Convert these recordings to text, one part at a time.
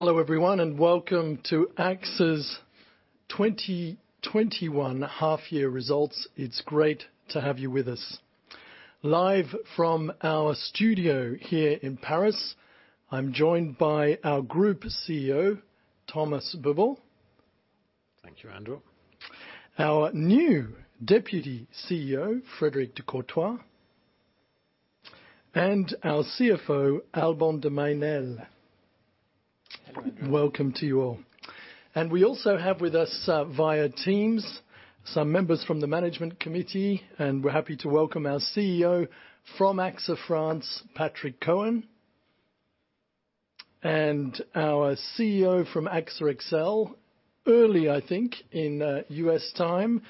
Hello everyone, welcome to AXA's 2021 half year results. It's great to have you with us. Live from our studio here in Paris, I'm joined by our Group CEO, Thomas Buberl. Thank you, Andrew. Our new Deputy CEO, Frédéric de Courtois, and our CFO, Alban de Mailly Nesle. Good morning. Welcome to you all. We also have with us, via Teams, some members from the management committee, and we're happy to welcome our CEO from AXA France, Patrick Cohen. Our CEO from AXA XL, early, I think, in U.S. time,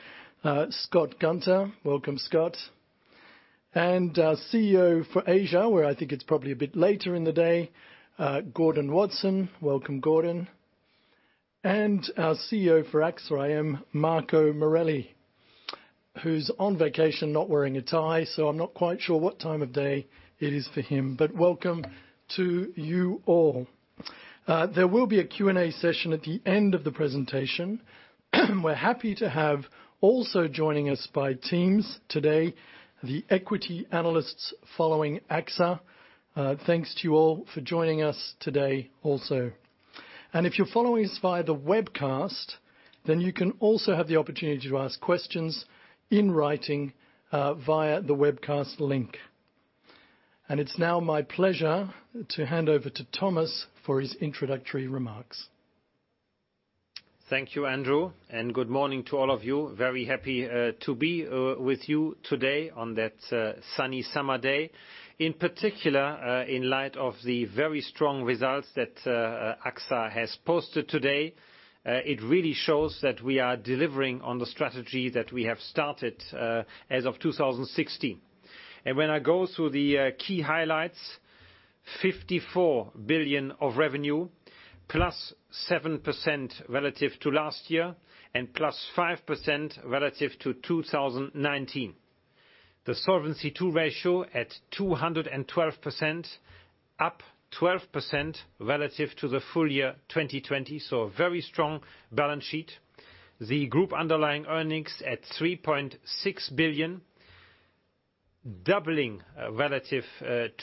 Scott Gunter. Welcome, Scott. Our CEO for Asia, where I think it's probably a bit later in the day, Gordon Watson. Welcome, Gordon. Our CEO for AXA IM, Marco Morelli, who's on vacation not wearing a tie, so I'm not quite sure what time of day it is for him. Welcome to you all. There will be a Q&A session at the end of the presentation. We're happy to have also joining us by Teams today, the equity analysts following AXA. Thanks to you all for joining us today also. If you're following us via the webcast, then you can also have the opportunity to ask questions in writing via the webcast link. It's now my pleasure to hand over to Thomas for his introductory remarks. Thank you, Andrew. Good morning to all of you. Very happy to be with you today on that sunny summer day. In particular, in light of the very strong results that AXA has posted today. It really shows that we are delivering on the strategy that we have started as of 2016. When I go through the key highlights, 54 billion of revenue, plus 7% relative to last year, and plus 5% relative to 2019. The Solvency II ratio at 212%, up 12% relative to the full year 2020. A very strong balance sheet. The group underlying earnings at 3.6 billion, doubling relative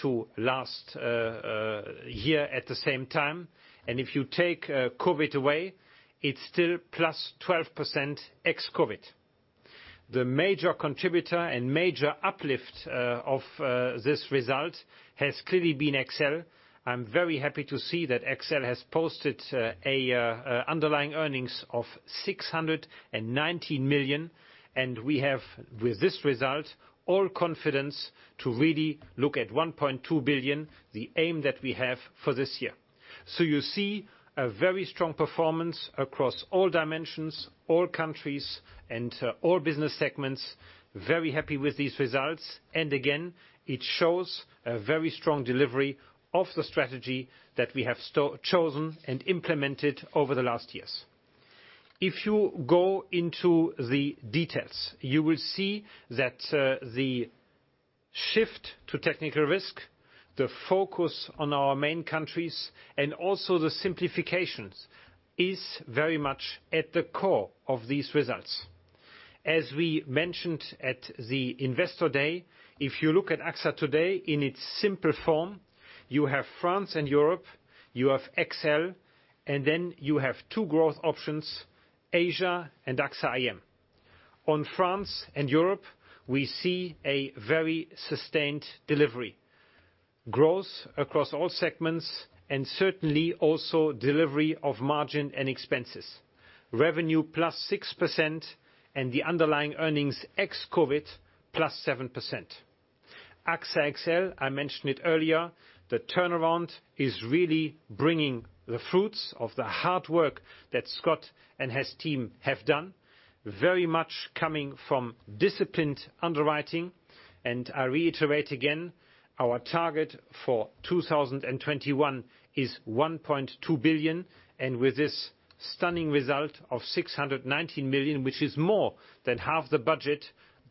to last year at the same time. If you take COVID away, it's still plus 12% ex-COVID. The major contributor and major uplift of this result has clearly been XL. I'm very happy to see that XL has posted underlying earnings of 619 million, and we have, with this result, all confidence to really look at 1.2 billion, the aim that we have for this year. You see a very strong performance across all dimensions, all countries, and all business segments. Very happy with these results, and again, it shows a very strong delivery of the strategy that we have chosen and implemented over the last years. If you go into the details, you will see that the shift to technical risk, the focus on our main countries, and also the simplifications, is very much at the core of these results. As we mentioned at the investor day, if you look at AXA today in its simple form, you have France and Europe, you have XL, and then you have two growth options, Asia and AXA IM. On France and Europe, we see a very sustained delivery. Growth across all segments, and certainly also delivery of margin and expenses. Revenue +6% and the underlying earnings ex-COVID, +7%. AXA XL, I mentioned it earlier, the turnaround is really bringing the fruits of the hard work that Scott Gunter and his team have done, very much coming from disciplined underwriting. I reiterate again, our target for 2021 is 1.2 billion. With this stunning result of 619 million, which is more than 1/2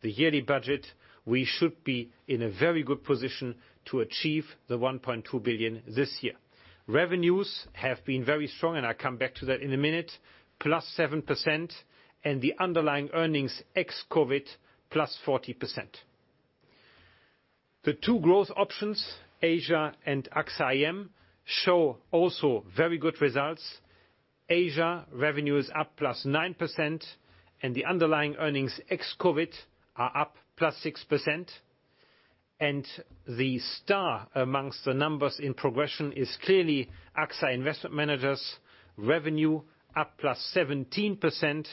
the yearly budget, we should be in a very good position to achieve the 1.2 billion this year. Revenues have been very strong, and I come back to that in a minute. +7%, and the underlying earnings ex-COVID, +40%. The two growth options, Asia and AXA IM, show also very good results. Asia revenue is up +9%, and the underlying earnings ex-COVID are up +6%. The star amongst the numbers in progression is clearly AXA Investment Managers. Revenue up +17%,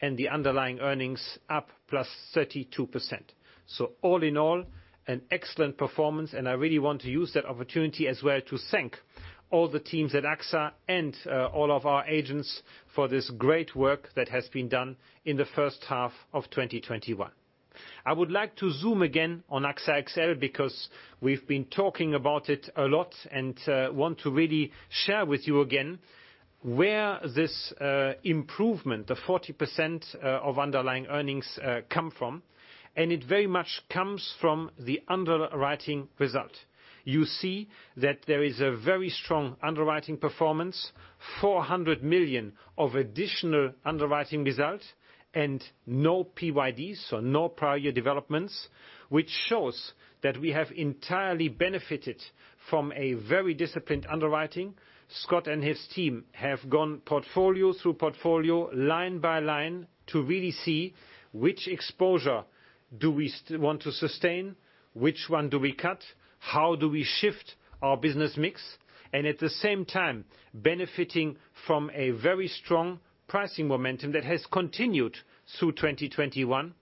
and the underlying earnings up +32%. All in all, an excellent performance, and I really want to use that opportunity as well to thank all the teams at AXA and all of our agents for this great work that has been done in the first half of 2021. I would like to zoom again on AXA XL, because we've been talking about it a lot and want to really share with you again where this improvement, the 40% of underlying earnings, come from, and it very much comes from the underwriting result You see that there is a very strong underwriting performance, 400 million of additional underwriting result and no PYD, so no Prior Year Developments, which shows that we have entirely benefited from a very disciplined underwriting. Scott and his team have gone portfolio through portfolio, line by line, to really see which exposure do we want to sustain, which one do we cut, how do we shift our business mix, and at the same time benefiting from a very strong pricing momentum that has continued through 2021.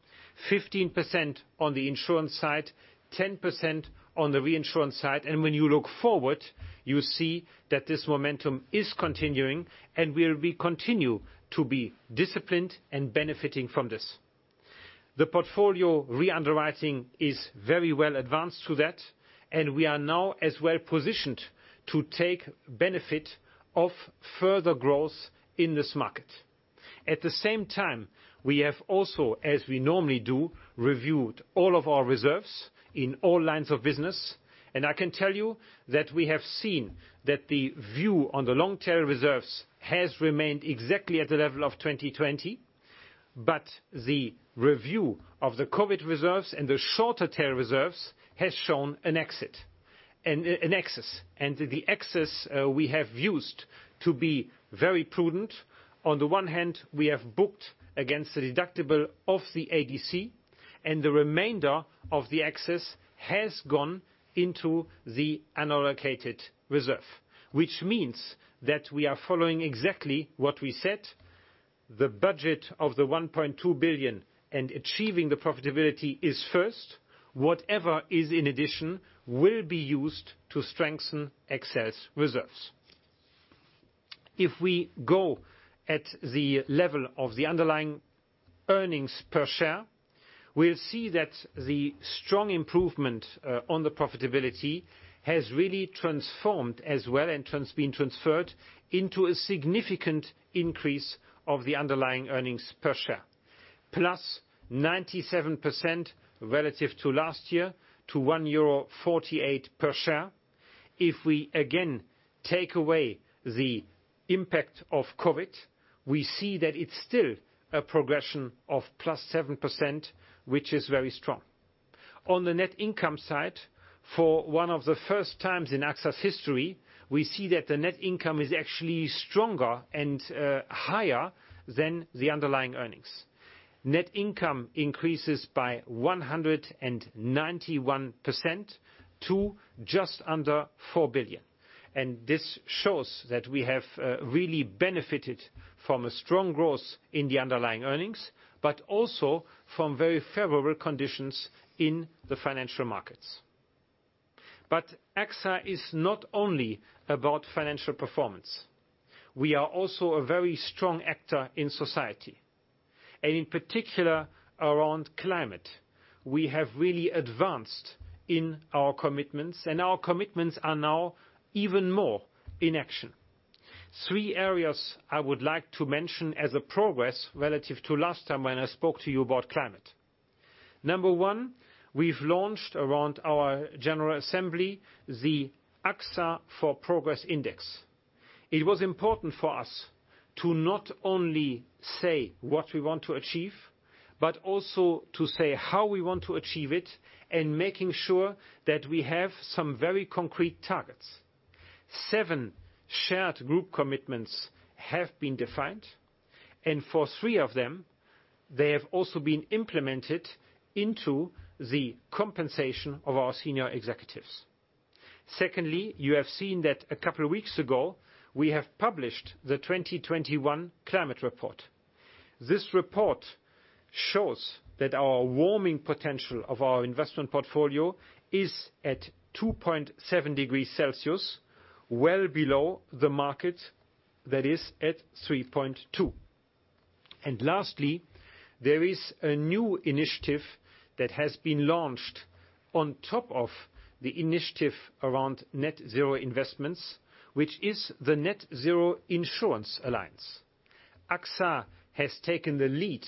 15% on the insurance side, 10% on the reinsurance side. When you look forward, you see that this momentum is continuing and we continue to be disciplined and benefiting from this. The portfolio re-underwriting is very well advanced to that, and we are now as well positioned to take benefit of further growth in this market. At the same time, we have also, as we normally do, reviewed all of our reserves in all lines of business. I can tell you that we have seen that the view on the long-term reserves has remained exactly at the level of 2020, but the review of the COVID reserves and the shorter tail reserves has shown an excess. The excess, we have used to be very prudent. On the one hand, we have booked against the deductible of the ADC, and the remainder of the excess has gone into the unallocated reserve, which means that we are following exactly what we set. The budget of the 1.2 billion and achieving the profitability is first. Whatever is in addition will be used to strengthen excess reserves. If we go at the level of the underlying earnings per share, we will see that the strong improvement on the profitability has really transformed as well and been transferred into a significant increase of the underlying earnings per share. +97% relative to last year to EUR1 48 per share. If we again take away the impact of COVID, we see that it's still a progression of +7%, which is very strong. On the net income side, for one of the first times in AXA's history, we see that the net income is actually stronger and higher than the underlying earnings. Net income increases by 191% to just under 4 billion. This shows that we have really benefited from a strong growth in the underlying earnings, but also from very favorable conditions in the financial markets. AXA is not only about financial performance. We are also a very strong actor in society, and in particular around climate. We have really advanced in our commitments, and our commitments are now even more in action. Three areas I would like to mention as a progress relative to last time when I spoke to you about climate. Number one, we've launched around our general assembly, the AXA for Progress Index. It was important for us to not only say what we want to achieve, but also to say how we want to achieve it and making sure that we have some very concrete targets. Seven shared group commitments have been defined, and for three of them, they have also been implemented into the compensation of our senior executives. Secondly, you have seen that a couple of weeks ago, we have published the 2021 climate report. This report shows that our warming potential of our investment portfolio is at 2.7 degrees Celsius, well below the market that is at 3.2 degrees Celsius. Lastly, there is a new initiative that has been launched on top of the initiative around net zero investments, which is the Net-Zero Insurance Alliance. AXA has taken the lead.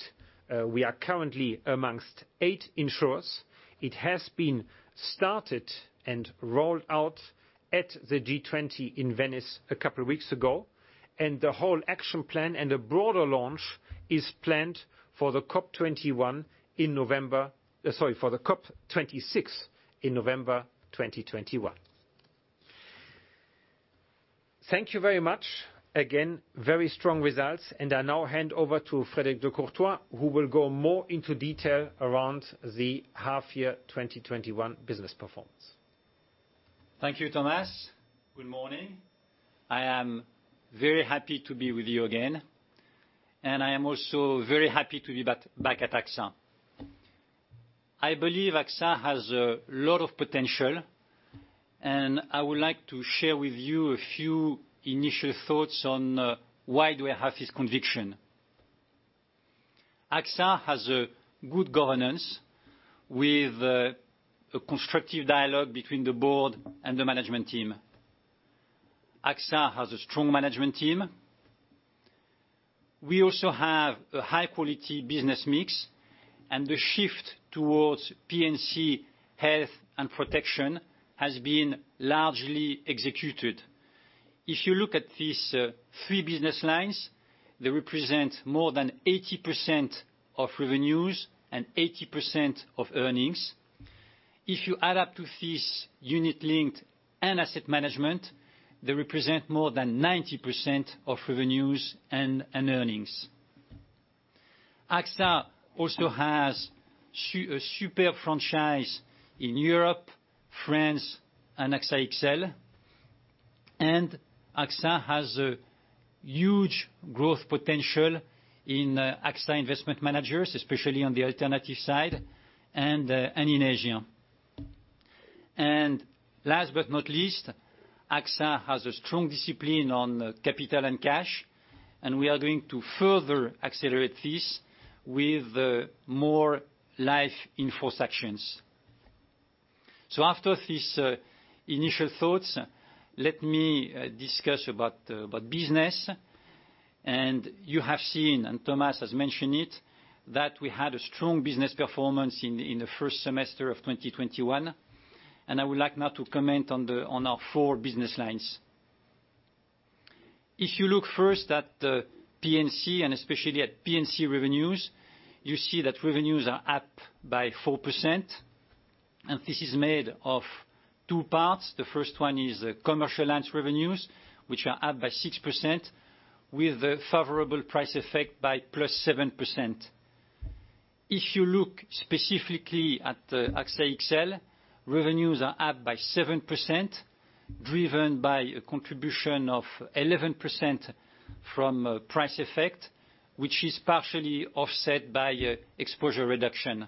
We are currently amongst eight insurers. It has been started and rolled out at the G20 in Venice a couple weeks ago. The whole action plan and a broader launch is planned for the COP 26 in November 2021. Thank you very much. Very strong results. I now hand over to Frédéric de Courtois, who will go more into detail around the half year 2021 business performance. Thank you, Thomas. Good morning. I am very happy to be with you again, and I am also very happy to be back at AXA. I believe AXA has a lot of potential, and I would like to share with you a few initial thoughts on why do I have this conviction. AXA has a good governance with a constructive dialogue between the board and the management team. AXA has a strong management team. We also have a high-quality business mix, and the shift towards P&C health and protection has been largely executed. If you look at these three business lines, they represent more than 80% of revenues and 80% of earnings. If you add up to this unit-linked and asset management, they represent more than 90% of revenues and earnings. AXA also has a superb franchise in Europe, France, and AXA XL. AXA has a huge growth potential in AXA Investment Managers, especially on the alternative side, and in Asia. Last but not least, AXA has a strong discipline on capital and cash, and we are going to further accelerate this with more life in force actions. After these initial thoughts, let me discuss about business. You have seen, and Thomas has mentioned it, that we had a strong business performance in the first semester of 2021, and I would like now to comment on our four business lines. If you look first at the P&C, and especially at P&C revenues, you see that revenues are up by 4%, and this is made of two parts. The first one is commercial lines revenues, which are up by 6% with a favorable price effect by +7%. If you look specifically at AXA XL, revenues are up by 7%, driven by a contribution of 11% from price effect, which is partially offset by exposure reduction.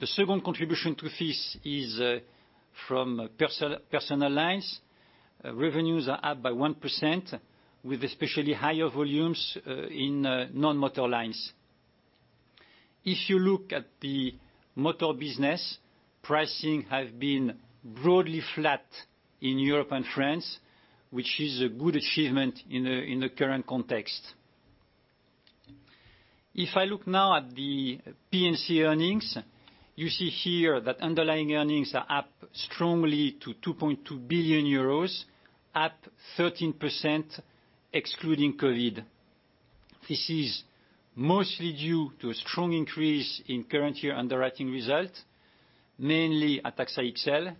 The second contribution to this is from personal lines. Revenues are up by 1% with especially higher volumes in non-motor lines. If you look at the motor business, pricing has been broadly flat in Europe and France, which is a good achievement in the current context. If I look now at the P&C earnings, you see here that underlying earnings are up strongly to 2.2 billion euros, up 13% excluding COVID. This is mostly due to a strong increase in current year underwriting result, mainly at AXA XL,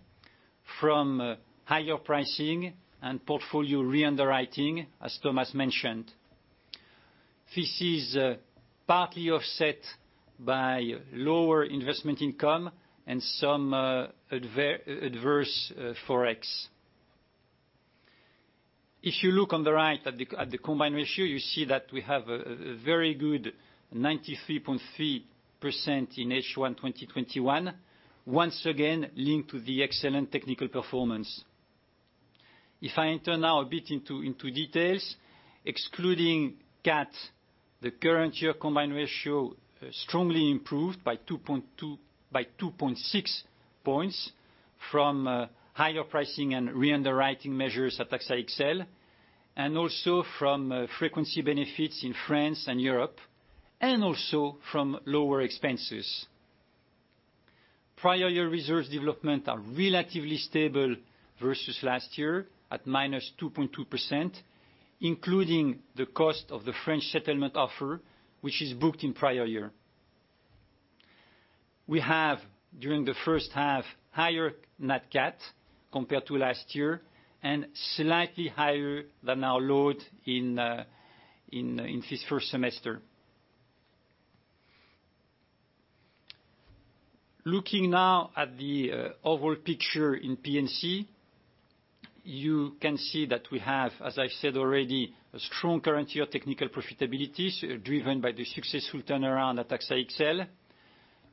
from higher pricing and portfolio re-underwriting, as Thomas mentioned. This is partly offset by lower investment income and some adverse forex. If you look on the right at the combined ratio, you see that we have a very good 93.3% in H1 2021, once again linked to the excellent technical performance. If I enter now a bit into details, excluding CAT, the current year combined ratio strongly improved by 2.6 points from higher pricing and re-underwriting measures at AXA XL, and also from frequency benefits in France and Europe, and also from lower expenses. Prior year reserves development are relatively stable versus last year, at -2.2%, including the cost of the French settlement offer, which is booked in prior year. We have, during the first half, higher nat CAT compared to last year and slightly higher than our load in this first semester. Looking now at the overall picture in P&C, you can see that we have, as I've said already, a strong current year technical profitability driven by the successful turnaround at AXA XL.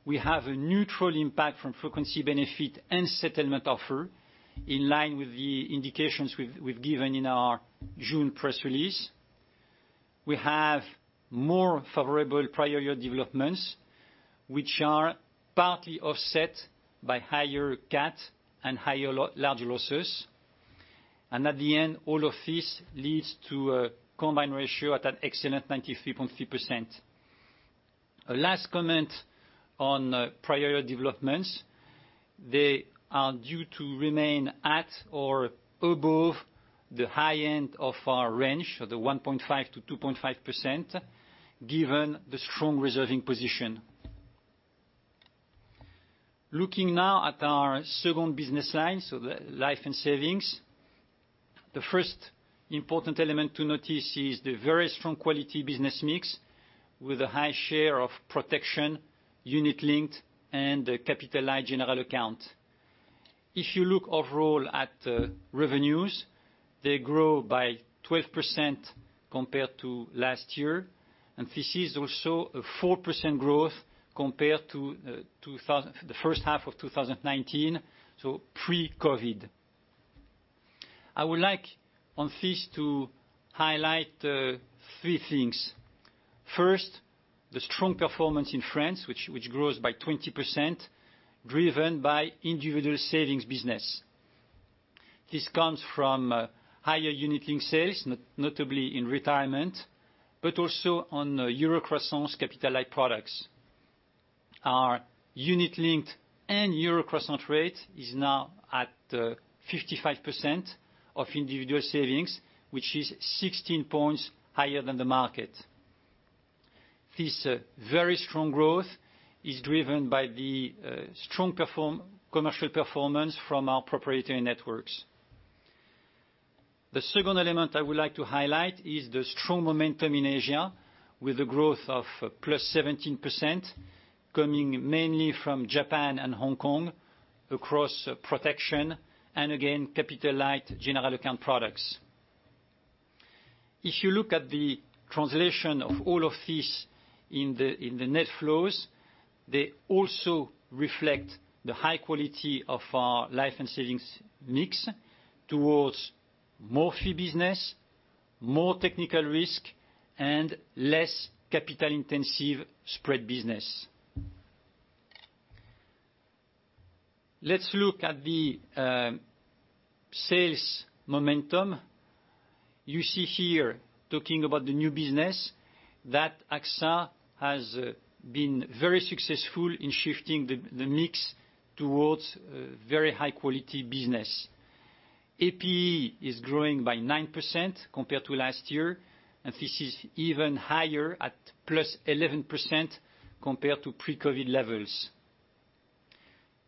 We have a neutral impact from frequency benefit and settlement offer, in line with the indications we've given in our June press release. We have more favorable prior year developments, which are partly offset by higher CAT and higher large losses. At the end, all of this leads to a combined ratio at an excellent 93.3%. A last comment on prior developments, they are due to remain at or above the high end of our range, the 1.5%-2.5%, given the strong reserving position. Looking now at our second business line, the life and savings. The first important element to notice is the very strong quality business mix with a high share of protection, unit-linked, and capitalized general account. If you look overall at revenues, they grow by 12% compared to last year, and this is also a 4% growth compared to the first half of 2019, so pre-COVID. I would like on this to highlight three things. First, the strong performance in France, which grows by 20%, driven by individual savings business. This comes from higher unit-linked sales, notably in retirement, but also on Eurocroissance capital products. Our unit-linked and Eurocroissance rate is now at 55% of individual savings, which is 16 points higher than the market. This very strong growth is driven by the strong commercial performance from our proprietary networks. The second element I would like to highlight is the strong momentum in Asia with the growth of +17% coming mainly from Japan and Hong Kong across protection, and again, capital light general account products. If you look at the translation of all of this in the net flows, they also reflect the high quality of our life and savings mix towards more fee business, more technical risk, and less capital intensive spread business. Let's look at the sales momentum. You see here talking about the new business that AXA has been very successful in shifting the mix towards very high quality business. APE is growing by 9% compared to last year, and this is even higher at +11% compared to pre-COVID levels.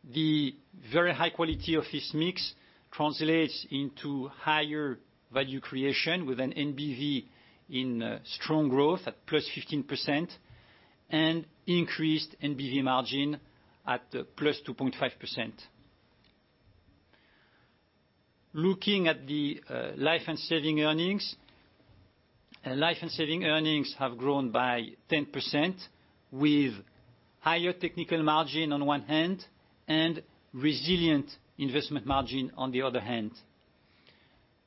The very high quality of this mix translates into higher value creation with an NBV in strong growth at +15% and increased NBV margin at +2.5%. Looking at the life and savings earnings. Life and savings earnings have grown by 10% with higher technical margin on one hand and resilient investment margin on the other hand.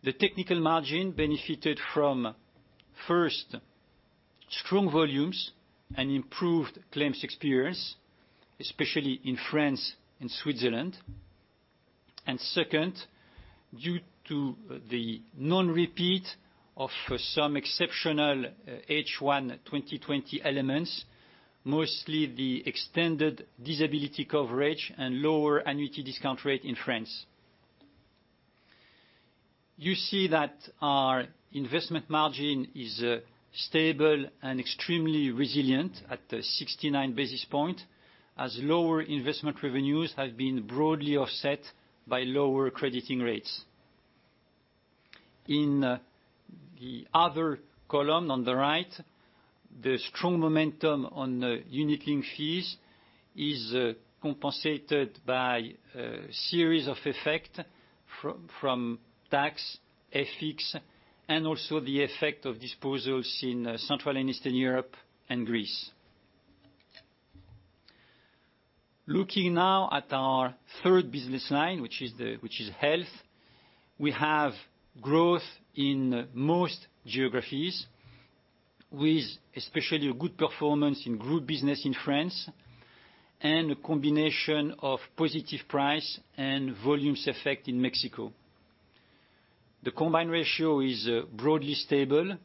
The technical margin benefited from, first, strong volumes and improved claims experience, especially in France and Switzerland. Second, due to the non-repeat of some exceptional H1 2020 elements, mostly the extended disability coverage and lower annuity discount rate in France. You see that our investment margin is stable and extremely resilient at the 69 basis points, as lower investment revenues have been broadly offset by lower crediting rates. In the other column on the right, the strong momentum on unit-linked fees is compensated by a series of effects from tax, FX, and also the effects of disposals in Central and Eastern Europe and Greece. Looking now at our third business line, which is health. We have growth in most geographies with especially a good performance in Group Business in France, and a combination of positive price and volumes effects in Mexico. The combined ratio is broadly stable.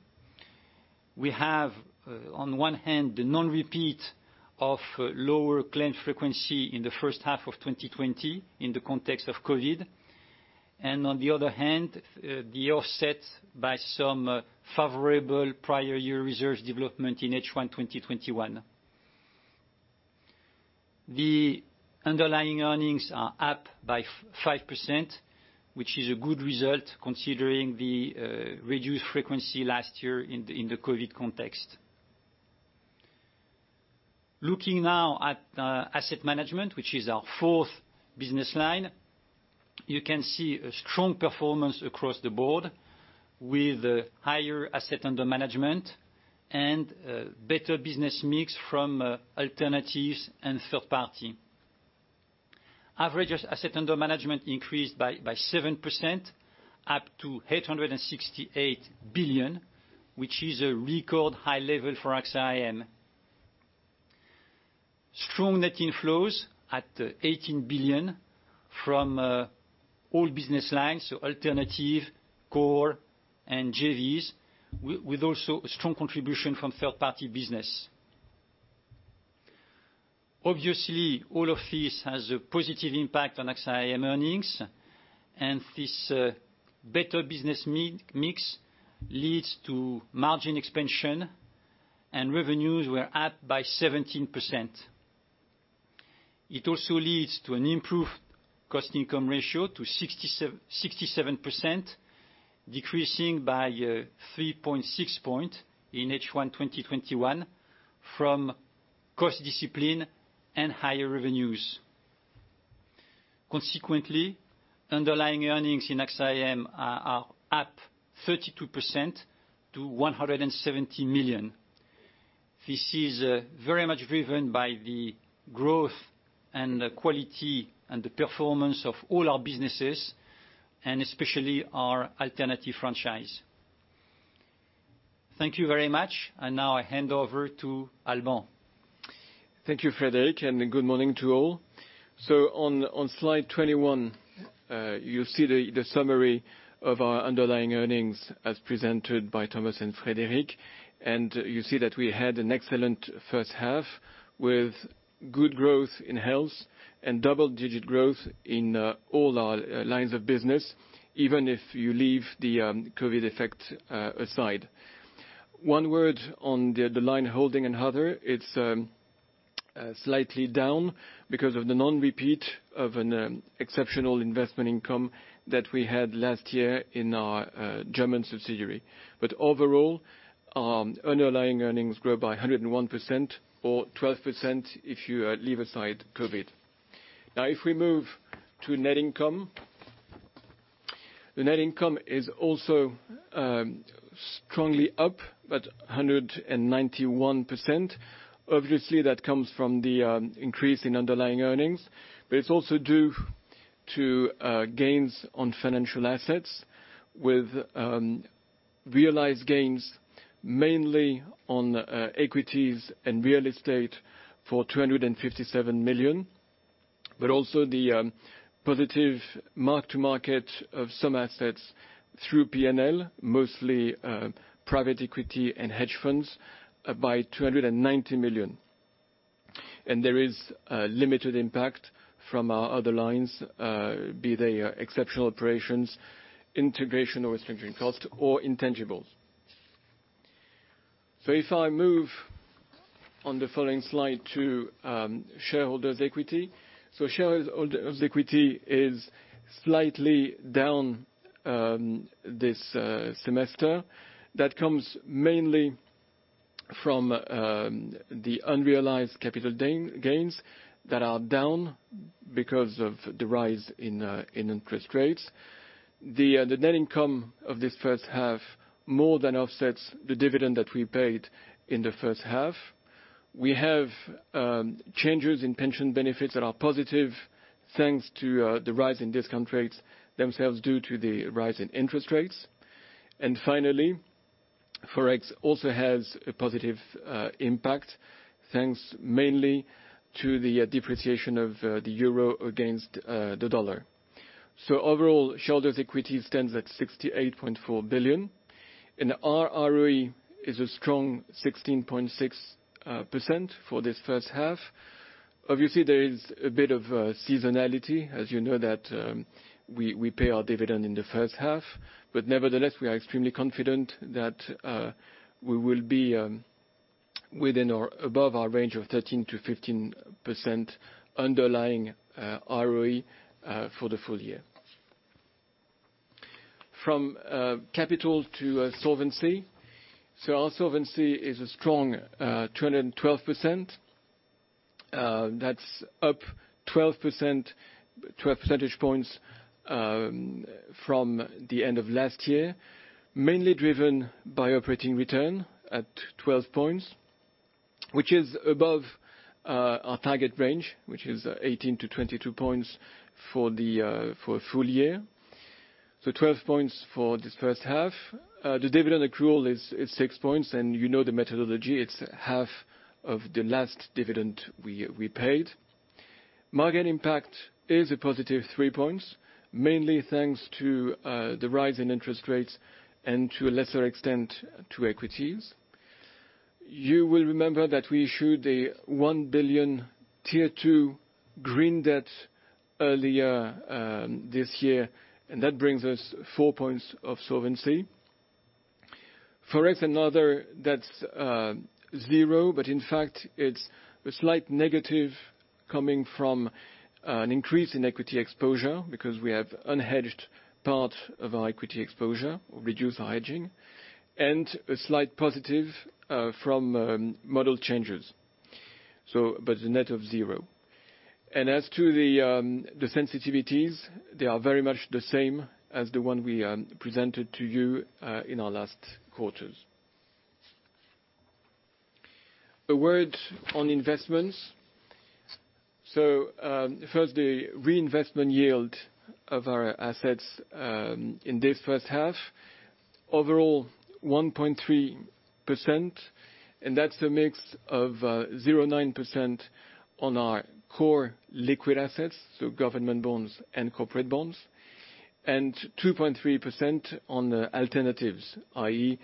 We have, on one hand, the non-repeat of lower claim frequency in the first half of 2020 in the context of COVID, and on the other hand, the offset by some favorable prior year reserves development in H1 2021. The underlying earnings are up by 5%, which is a good result considering the reduced frequency last year in the COVID context. Looking now at asset management, which is our fourth business line. You can see a strong performance across the board with higher asset under management and better business mix from alternatives and third-party. Average asset under management increased by 7%, up to 868 billion, which is a record high level for AXA IM. Strong net inflows at 18 billion from all business lines, so alternative, core, and JVs, with also strong contribution from third-party business. Obviously, all of this has a positive impact on AXA IM earnings, this better business mix leads to margin expansion and revenues were up by 17%. It also leads to an improved cost income ratio to 67%, decreasing by 3.6 point in H1 2021 from cost discipline and higher revenues. Consequently, underlying earnings in AXA IM are 32% to 170 million. This is very much driven by the growth and the quality and the performance of all our businesses, and especially our alternative franchise. Thank you very much. Now I hand over to Alban de Mailly Nesle. Thank you, Frédéric. Good morning to all. On slide 21, you see the summary of our underlying earnings as presented by Thomas and Frédéric. You see that we had an excellent first half with good growth in health, and double-digit growth in all our lines of business, even if you leave the COVID effect aside. One word on the line holding and other, it's slightly down because of the non-repeat of an exceptional investment income that we had last year in our German subsidiary. Overall, underlying earnings grow by 101%, or 12% if you leave aside COVID. Now if we move to net income. The net income is also strongly up at 191%. Obviously, that comes from the increase in underlying earnings, but it is also due to gains on financial assets with realized gains mainly on equities and real estate for 257 million, but also the positive mark to market of some assets through P&L, mostly private equity and hedge funds by 290 million. There is a limited impact from our other lines, be they exceptional operations, integration or restructuring cost or intangibles. If I move on the following slide to shareholders' equity. Shareholders' equity is slightly down this semester. That comes mainly from the unrealized capital gains that are down because of the rise in interest rates. The net income of this first half more than offsets the dividend that we paid in the first half. We have changes in pension benefits that are positive, thanks to the rise in discount rates themselves due to the rise in interest rates. Finally, Forex also has a positive impact, thanks mainly to the depreciation of the EUR against the $. Overall, shareholders' equity stands at 68.4 billion, and our ROE is a strong 16.6% for this first half. Obviously, there is a bit of seasonality, as you know that we pay our dividend in the first half. Nevertheless, we are extremely confident that we will be within or above our range of 13%-15% underlying ROE for the full year. From capital to solvency. Our solvency is a strong 212%. That's up 12 percentage points from the end of last year, mainly driven by operating return at 12 points, which is above our target range, which is 18-22 points for a full year. 12 points for this first half. The dividend accrual is six points, and you know the methodology, it's half of the last dividend we paid. Margin impact is a positive three points, mainly thanks to the rise in interest rates and to a lesser extent, to equities. You will remember that we issued a 1 billion Tier 2 green debt earlier this year, that brings us four points of solvency. Forex and other, that's zero, but in fact it's a slight negative coming from an increase in equity exposure because we have unhedged part of our equity exposure, reduced our hedging, and a slight positive from model changes. The net of zero. As to the sensitivities, they are very much the same as the one we presented to you in our last quarters. A word on investments. First the reinvestment yield of our assets in this first half. Overall, 1.3%, that's a mix of 0.9% on our core liquid assets, so government bonds and corporate bonds, and 2.3% on alternatives, i.e.,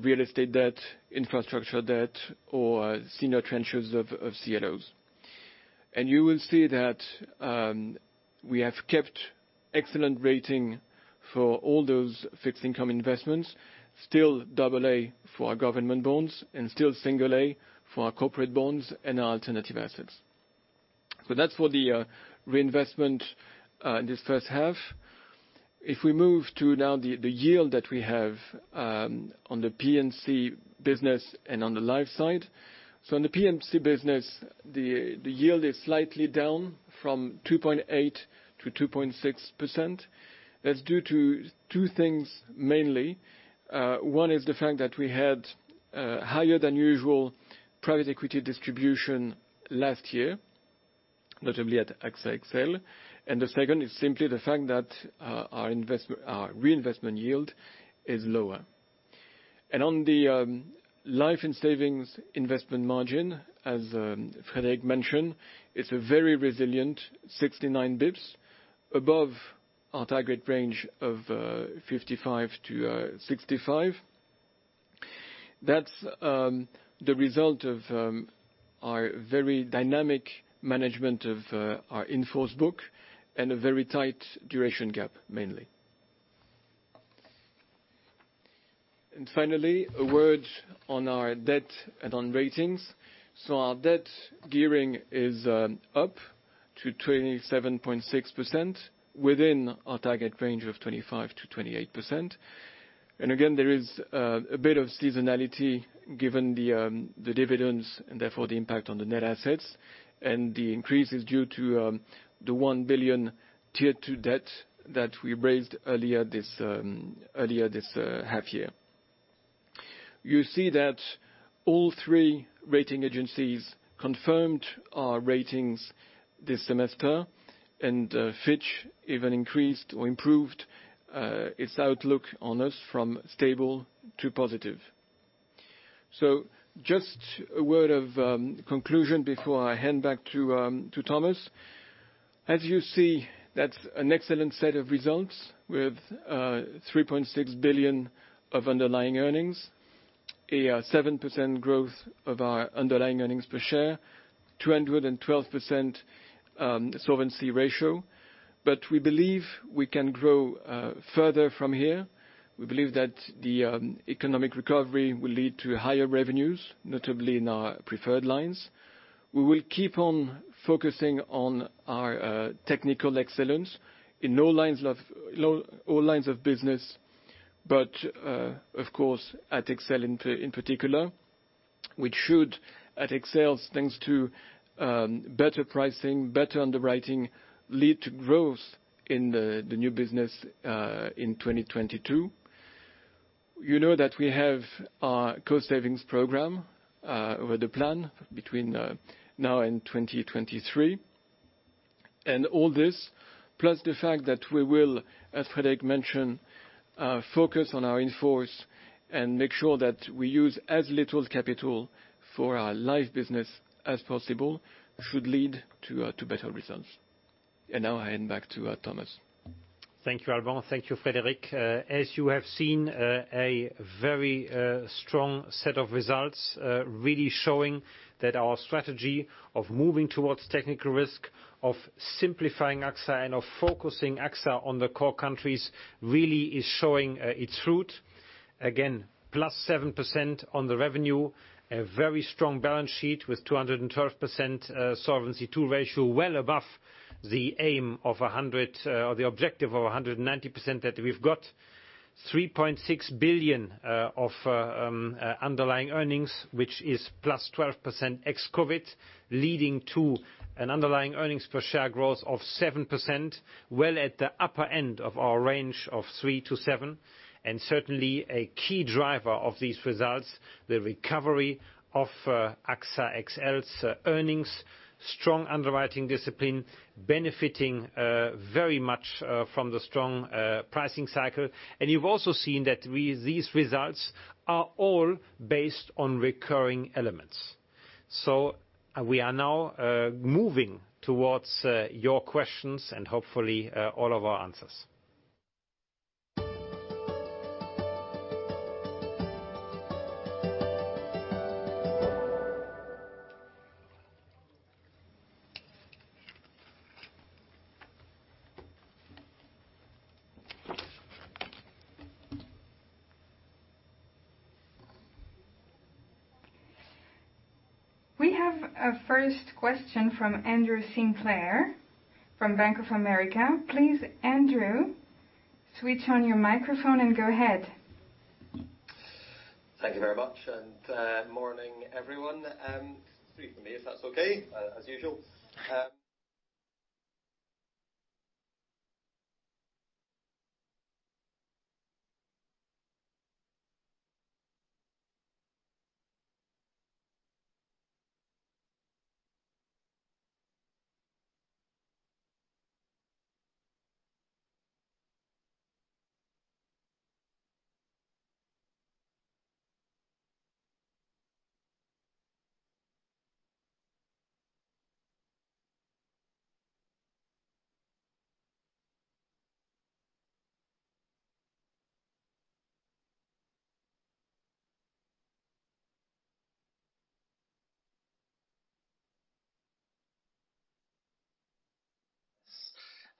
real estate debt, infrastructure debt, or senior tranches of CLOs. You will see that we have kept excellent rating for all those fixed income investments, still double A for our government bonds, and still single A for our corporate bonds and our alternative assets. That's for the reinvestment in this first half. If we move to now the yield that we have on the P&C business and on the life side. On the P&C business, the yield is slightly down from 2.8% to 2.6%. That's due to two things mainly. One is the fact that we had higher than usual private equity distribution last year, notably at AXA XL. The second is simply the fact that our reinvestment yield is lower. On the life and savings investment margin, as Frédéric mentioned, it's a very resilient 69 basis points above our target range of 55 basis points to 65 basis points. That's the result of our very dynamic management of our in-force book and a very tight duration gap mainly. Finally, a word on our debt and on ratings. Our debt gearing is up to 27.6% within our target range of 25%-28%. Again, there is a bit of seasonality given the dividends and therefore the impact on the net assets. The increase is due to the 1 billion Tier 2 debt that we raised earlier this half year. You see that all three rating agencies confirmed our ratings this semester, Fitch even increased or improved its outlook on us from stable to positive. Just a word of conclusion before I hand back to Thomas. As you see, that's an excellent set of results with 3.6 billion of underlying earnings, a 7% growth of our underlying earnings per share, 212% solvency ratio. We believe we can grow further from here. We believe that the economic recovery will lead to higher revenues, notably in our preferred lines. We will keep on focusing on our technical excellence in all lines of business, of course at XL in particular, which should, at XL, thanks to better pricing, better underwriting, lead to growth in the new business, in 2022. You know that we have our cost savings program with the plan between now and 2023. All this, plus the fact that we will, as Frédéric mentioned, focus on our in-force and make sure that we use as little capital for our life business as possible should lead to better results. Now I hand back to Thomas. Thank you, Alban. Thank you, Frédéric. As you have seen, a very strong set of results, really showing that our strategy of moving towards technical risk, of simplifying AXA, and of focusing AXA on the core countries really is showing its fruit. Again, +7% on the revenue, a very strong balance sheet with 212% Solvency II ratio, well above the objective of 190% that we've got. 3.6 billion of underlying earnings, which is +12% ex-COVID, leading to an underlying earnings per share growth of 7%, well at the upper end of our range of 3%-7%. Certainly a key driver of these results, the recovery of AXA XL's earnings, strong underwriting discipline, benefiting very much from the strong pricing cycle. You've also seen that these results are all based on recurring elements. We are now moving towards your questions and hopefully all of our answers. We have a first question from Andrew Sinclair from Bank of America. Please, Andrew, switch on your microphone and go ahead. Thank you very much, and morning, everyone. Three from me, if that's okay, as usual.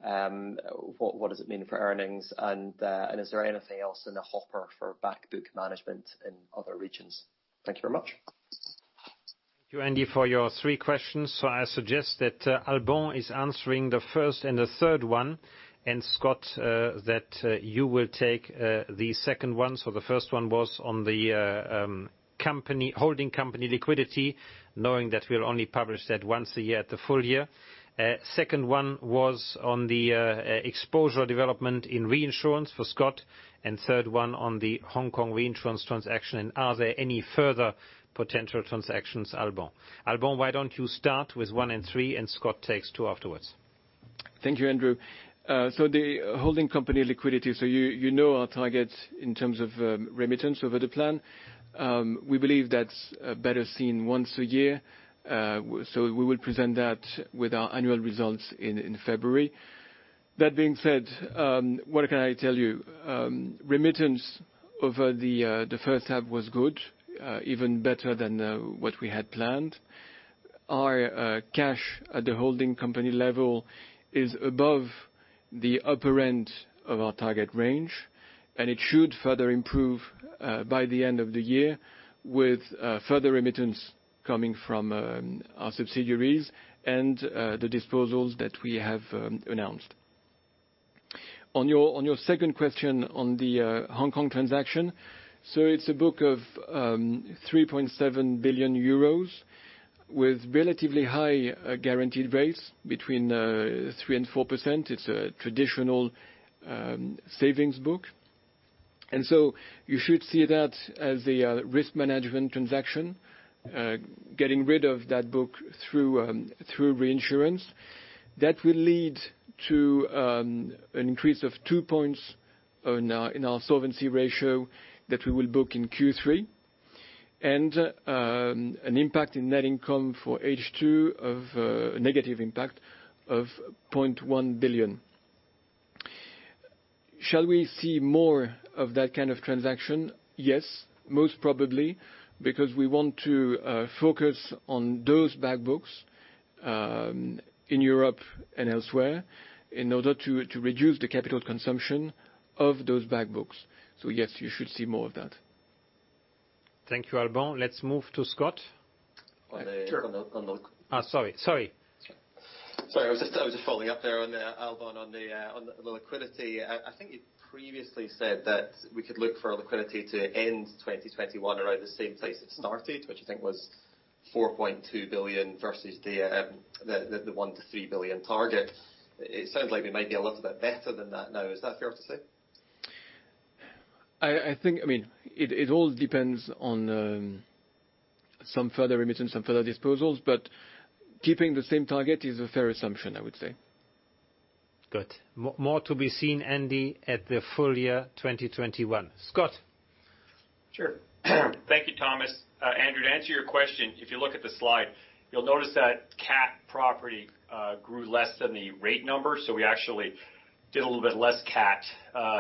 What does it mean for earnings? Is there anything else in the hopper for back book management in other regions? Thank you very much. Thank you, Andy, for your three questions. I suggest that Alban is answering the 1st and the 3rd one, and Scott, you will take the second one. The 1st one was on the holding company liquidity, knowing that we'll only publish that once a year at the full year. Second one was on the exposure development in reinsurance for Scott, and third one on the Hong Kong reinsurance transaction, and are there any further potential transactions, Alban? Why don't you start with one and three, and Scott takes two afterwards. Thank you, Andrew. The holding company liquidity. You know our targets in terms of remittance over the plan. We believe that's better seen once a year. We will present that with our annual results in February. That being said, what can I tell you? Remittance over the first half was good, even better than what we had planned. Our cash at the holding company level is above the upper end of our target range, and it should further improve by the end of the year with further remittance coming from our subsidiaries and the disposals that we have announced. On your second question on the Hong Kong transaction, it's a book of 3.7 billion euros with relatively high guaranteed rates, between 3%-4%. It's a traditional savings book. You should see that as a risk management transaction, getting rid of that book through reinsurance. That will lead to an increase of two points in our solvency ratio that we will book in Q3, and an impact in net income for H2, a negative impact of 0.1 billion. Shall we see more of that kind of transaction? Yes, most probably, because we want to focus on those back books in Europe and elsewhere in order to reduce the capital consumption of those back books. Yes, you should see more of that. Thank you, Alban. Let's move to Scott. Sure. On the- Sorry. Sorry. I was just following up there, Alban de Mailly Nesle, on the liquidity. I think you previously said that we could look for liquidity to end 2021 around the same place it started, which I think was 4.2 billion versus the 1 billion-3 billion target. It sounds like we might be a little bit better than that now. Is that fair to say? I think, it all depends on some further remittance, some further disposals, but keeping the same target is a fair assumption, I would say. Good. More to be seen, Andy, at the full year 2021. Scott. Sure. Thank you, Thomas. Andrew, to answer your question, if you look at the slide, you'll notice that cat property grew less than the rate number. We actually did a little bit less cat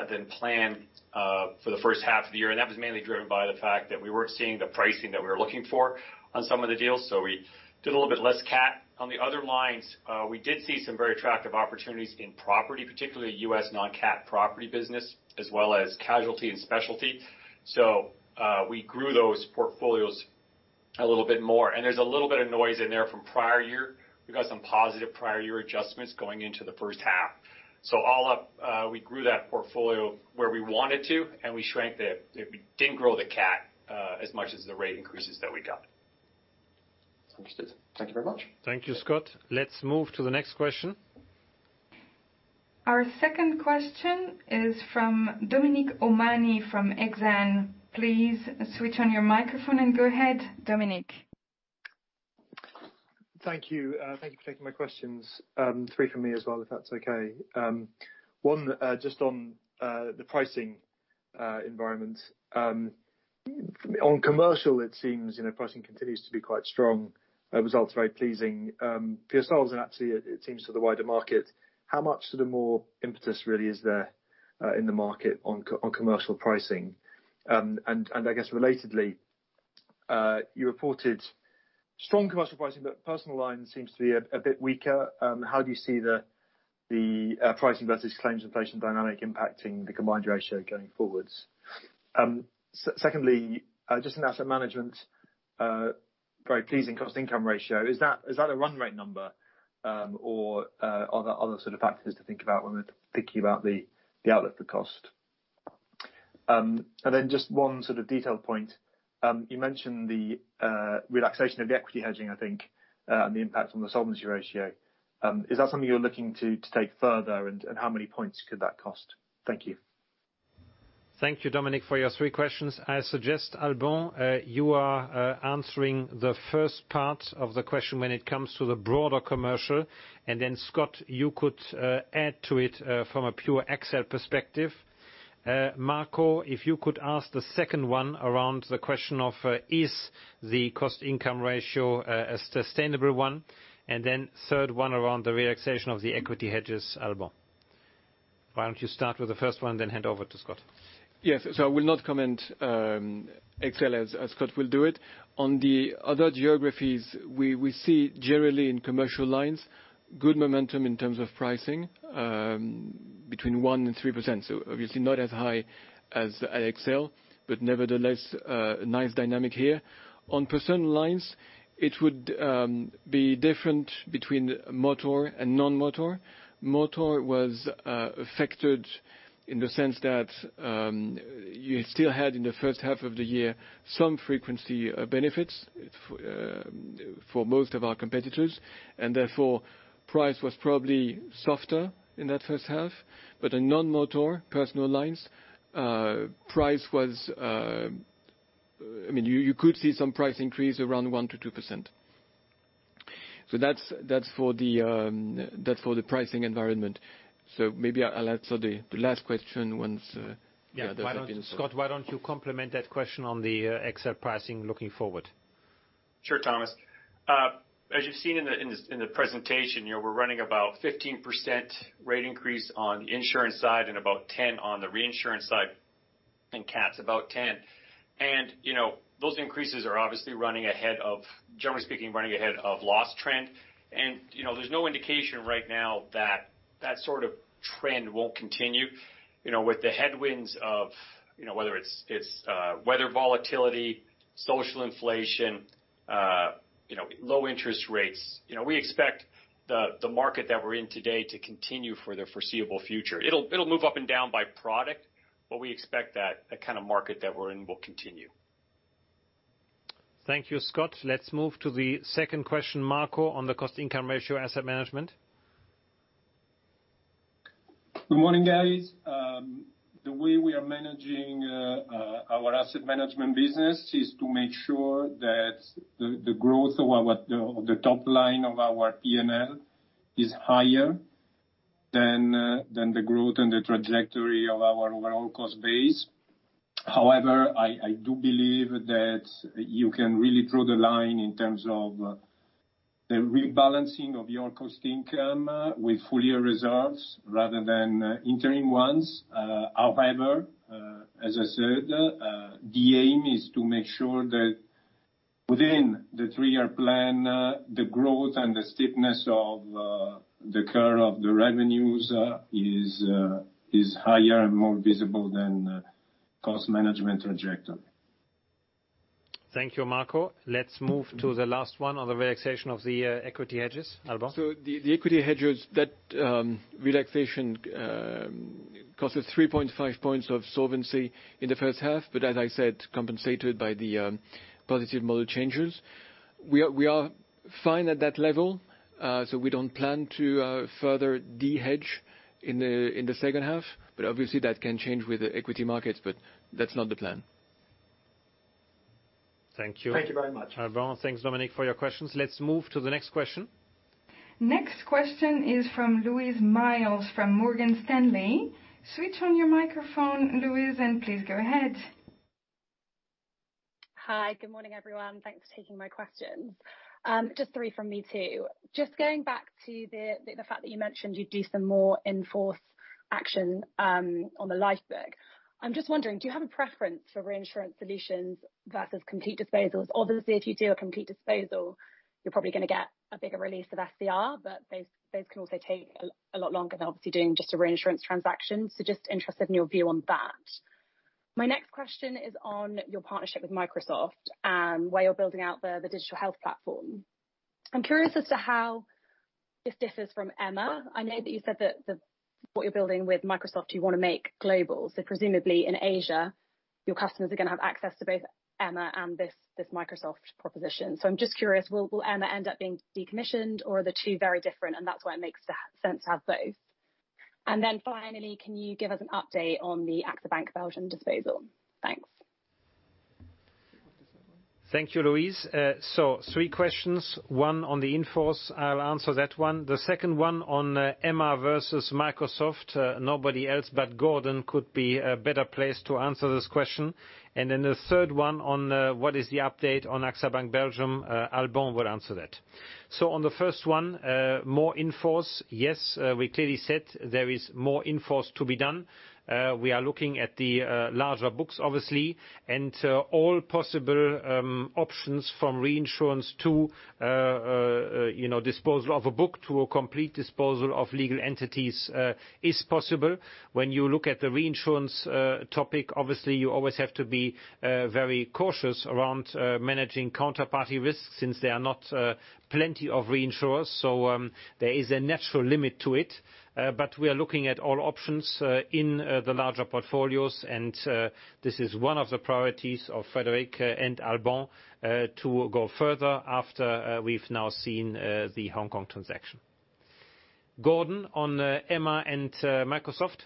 than planned for the first half of the year. That was mainly driven by the fact that we weren't seeing the pricing that we were looking for on some of the deals. We did a little bit less cat. On the other lines, we did see some very attractive opportunities in property, particularly U.S. non-cat property business, as well as casualty and specialty. We grew those portfolios a little bit more. There's a little bit of noise in there from prior year. We got some positive prior year adjustments going into the first half. All up, we grew that portfolio where we wanted to, and we didn't grow the cat, as much as the rate increases that we got. Understood. Thank you very much. Thank you, Scott. Let's move to the next question. Our second question is from Dominic O'Mahony from Exane. Please switch on your microphone and go ahead, Dominic. Thank you. Thank you for taking my questions. three from me as well, if that's okay. one just on the pricing environment. On commercial, it seems pricing continues to be quite strong. Results are very pleasing for yourselves and actually it seems to the wider market. How much sort of more impetus really is there in the market on commercial pricing? I guess relatedly, you reported strong commercial pricing, but personal lines seems to be a bit weaker. How do you see the pricing versus claims inflation dynamic impacting the combined ratio going forwards? Secondly, just in asset management, very pleasing cost income ratio. Is that a run rate number? Are there other sort of factors to think about when we're thinking about the outlook for cost? Just one sort of detailed point. You mentioned the relaxation of the equity hedging, I think, and the impact on the solvency ratio. Is that something you're looking to take further, and how many points could that cost? Thank you. Thank you, Dominic, for your three questions. I suggest, Alban, you are answering the first part of the question when it comes to the broader commercial. Scott, you could add to it, from a pure AXA perspective. Marco, if you could ask the second one around the question of, is the cost income ratio a sustainable one? Third one around the relaxation of the equity hedges, Alban. Why don't you start with the first one, then hand over to Scott? Yes. I will not comment XL, as Scott will do it. On the other geographies, we see generally in commercial lines, good momentum in terms of pricing between 1% and 3%. Obviously not as high as XL, but nevertheless, a nice dynamic here. On personal lines, it would be different between motor and non-motor. Motor was affected in the sense that you still had in the first half of the year, some frequency of benefits for most of our competitors. Therefore, price was probably softer in that first half. In non-motor personal lines, you could see some price increase around 1%-2%. That's for the pricing environment. Maybe I'll answer the last question once the other has been sorted. Scott, why don't you complement that question on the AXA XL pricing looking forward? Sure, Thomas. As you've seen in the presentation, we're running about 15% rate increase on the insurance side and about 10% on the reinsurance side, and cats about 10%. Those increases are obviously, generally speaking, running ahead of loss trend. There's no indication right now that sort of trend won't continue. With the headwinds of, whether it's weather volatility, social inflation, low interest rates. We expect the market that we're in today to continue for the foreseeable future. It'll move up and down by product, but we expect that kind of market that we're in will continue. Thank you, Scott. Let's move to the second question, Marco, on the cost-income ratio asset management. Good morning, guys. The way we are managing our asset management business is to make sure that the growth of the top line of our P&L is higher than the growth and the trajectory of our overall cost base. I do believe that you can really draw the line in terms of the rebalancing of your cost income with full year results rather than interim ones. As I said, the aim is to make sure that within the three-year plan, the growth and the steepness of the curve of the revenues is higher and more visible than cost management trajectory. Thank you, Marco. Let's move to the last one on the relaxation of the equity hedges. Alban? The equity hedges, that relaxation, cost us 3.5 points of solvency in the first half, but as I said, compensated by the positive model changes. We are fine at that level. We don't plan to further de-hedge in the second half. Obviously, that can change with the equity markets, but that's not the plan. Thank you. Thank you very much. Alban. Thanks, Dominic, for your questions. Let's move to the next question. Next question is from Louise Miles from Morgan Stanley. Switch on your microphone, Louise, and please go ahead. Hi. Good morning, everyone. Thanks for taking my questions. Just three from me, too. Just going back to the fact that you mentioned you'd do some more in-force action on the lifebook. I'm just wondering, do you have a preference for reinsurance solutions versus complete disposals? Obviously, if you do a complete disposal, you're probably going to get a bigger release of SCR, but those can also take a lot longer than obviously doing just a reinsurance transaction. Just interested in your view on that. My next question is on your partnership with Microsoft and where you're building out the digital health platform. I'm curious as to how this differs from Emma. I know that you said that what you're building with Microsoft, you want to make global. Presumably, in Asia, your customers are going to have access to both Emma and this Microsoft proposition. I'm just curious, will Emma end up being decommissioned or are the two very different and that's why it makes sense to have both? Finally, can you give us an update on the AXA Bank Belgium disposal? Thanks. Thank you, Louise. Three questions. One on the in-force. I will answer that one. The second one on Emma by AXA versus Microsoft. Nobody else but Gordon could be a better place to answer this question. The third one on what is the update on AXA Bank Belgium? Alban will answer that. On the first one, more in-force. Yes, we clearly said there is more in-force to be done. We are looking at the larger books, obviously, and all possible options from reinsurance to disposal of a book, to a complete disposal of legal entities is possible. When you look at the reinsurance topic, obviously, you always have to be very cautious around managing counterparty risks since there are not plenty of reinsurers. There is a natural limit to it. We are looking at all options in the larger portfolios, and this is one of the priorities of Frédéric and Alban to go further after we've now seen the Hong Kong transaction. Gordon, on Emma and Microsoft.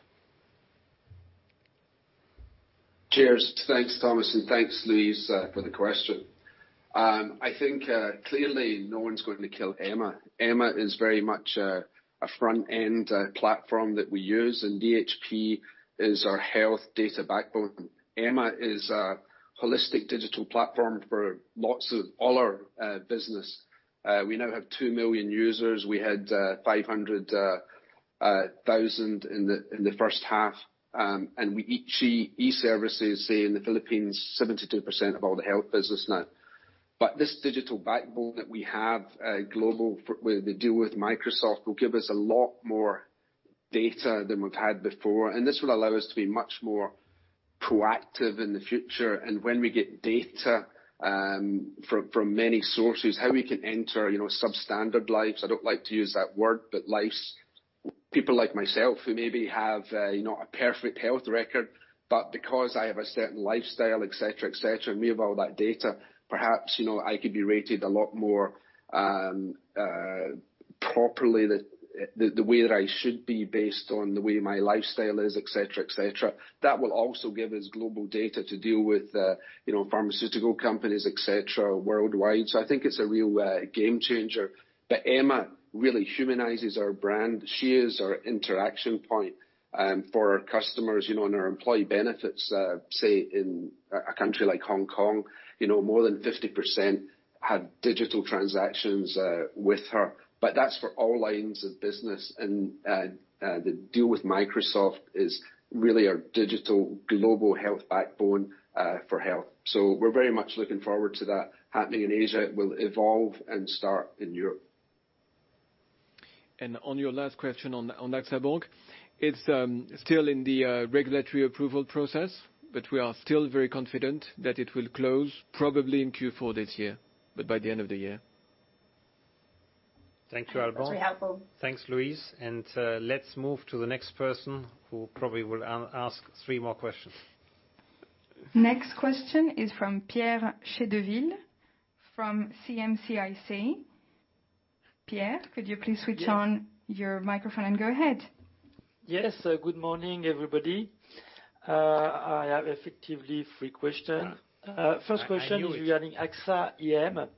Cheers. Thanks, Thomas, and thanks, Louise, for the question. I think clearly no one's going to kill Emma. Emma is very much a front-end platform that we use, and DHP is our health data backbone. Emma is a holistic digital platform for all our business. We now have 2 million users. We had 500,000 in the first half. We see e-services, say in the Philippines, 72% of all the health business now. This digital backbone that we have, global, the deal with Microsoft will give us a lot more data than we've had before, and this will allow us to be much more proactive in the future. When we get data from many sources, how we can enter substandard lives, I don't like to use that word, but lives. People like myself who maybe have not a perfect health record, but because I have a certain lifestyle, et cetera. We have all that data, perhaps, I could be rated a lot more properly the way that I should be based on the way my lifestyle is, et cetera. That will also give us global data to deal with pharmaceutical companies, et cetera, worldwide. I think it's a real game changer. Emma really humanizes our brand. She is our interaction point for our customers, and our employee benefits, say in a country like Hong Kong, more than 50% had digital transactions with her. That's for all lines of business. The deal with Microsoft is really our digital global health backbone, for health. We're very much looking forward to that happening in Asia. It will evolve and start in Europe. On your last question on AXA Bank, it's still in the regulatory approval process, but we are still very confident that it will close probably in Q4 this year. By the end of the year. Thank you, Alban. That's very helpful. Thanks, Louise. Let's move to the next person, who probably will ask three more questions. Next question is from Pierre Chedeville of CM-CIC. Pierre, could you please switch on your microphone and go ahead? Yes. Good morning, everybody. I have effectively three question. First question is regarding AXA IM.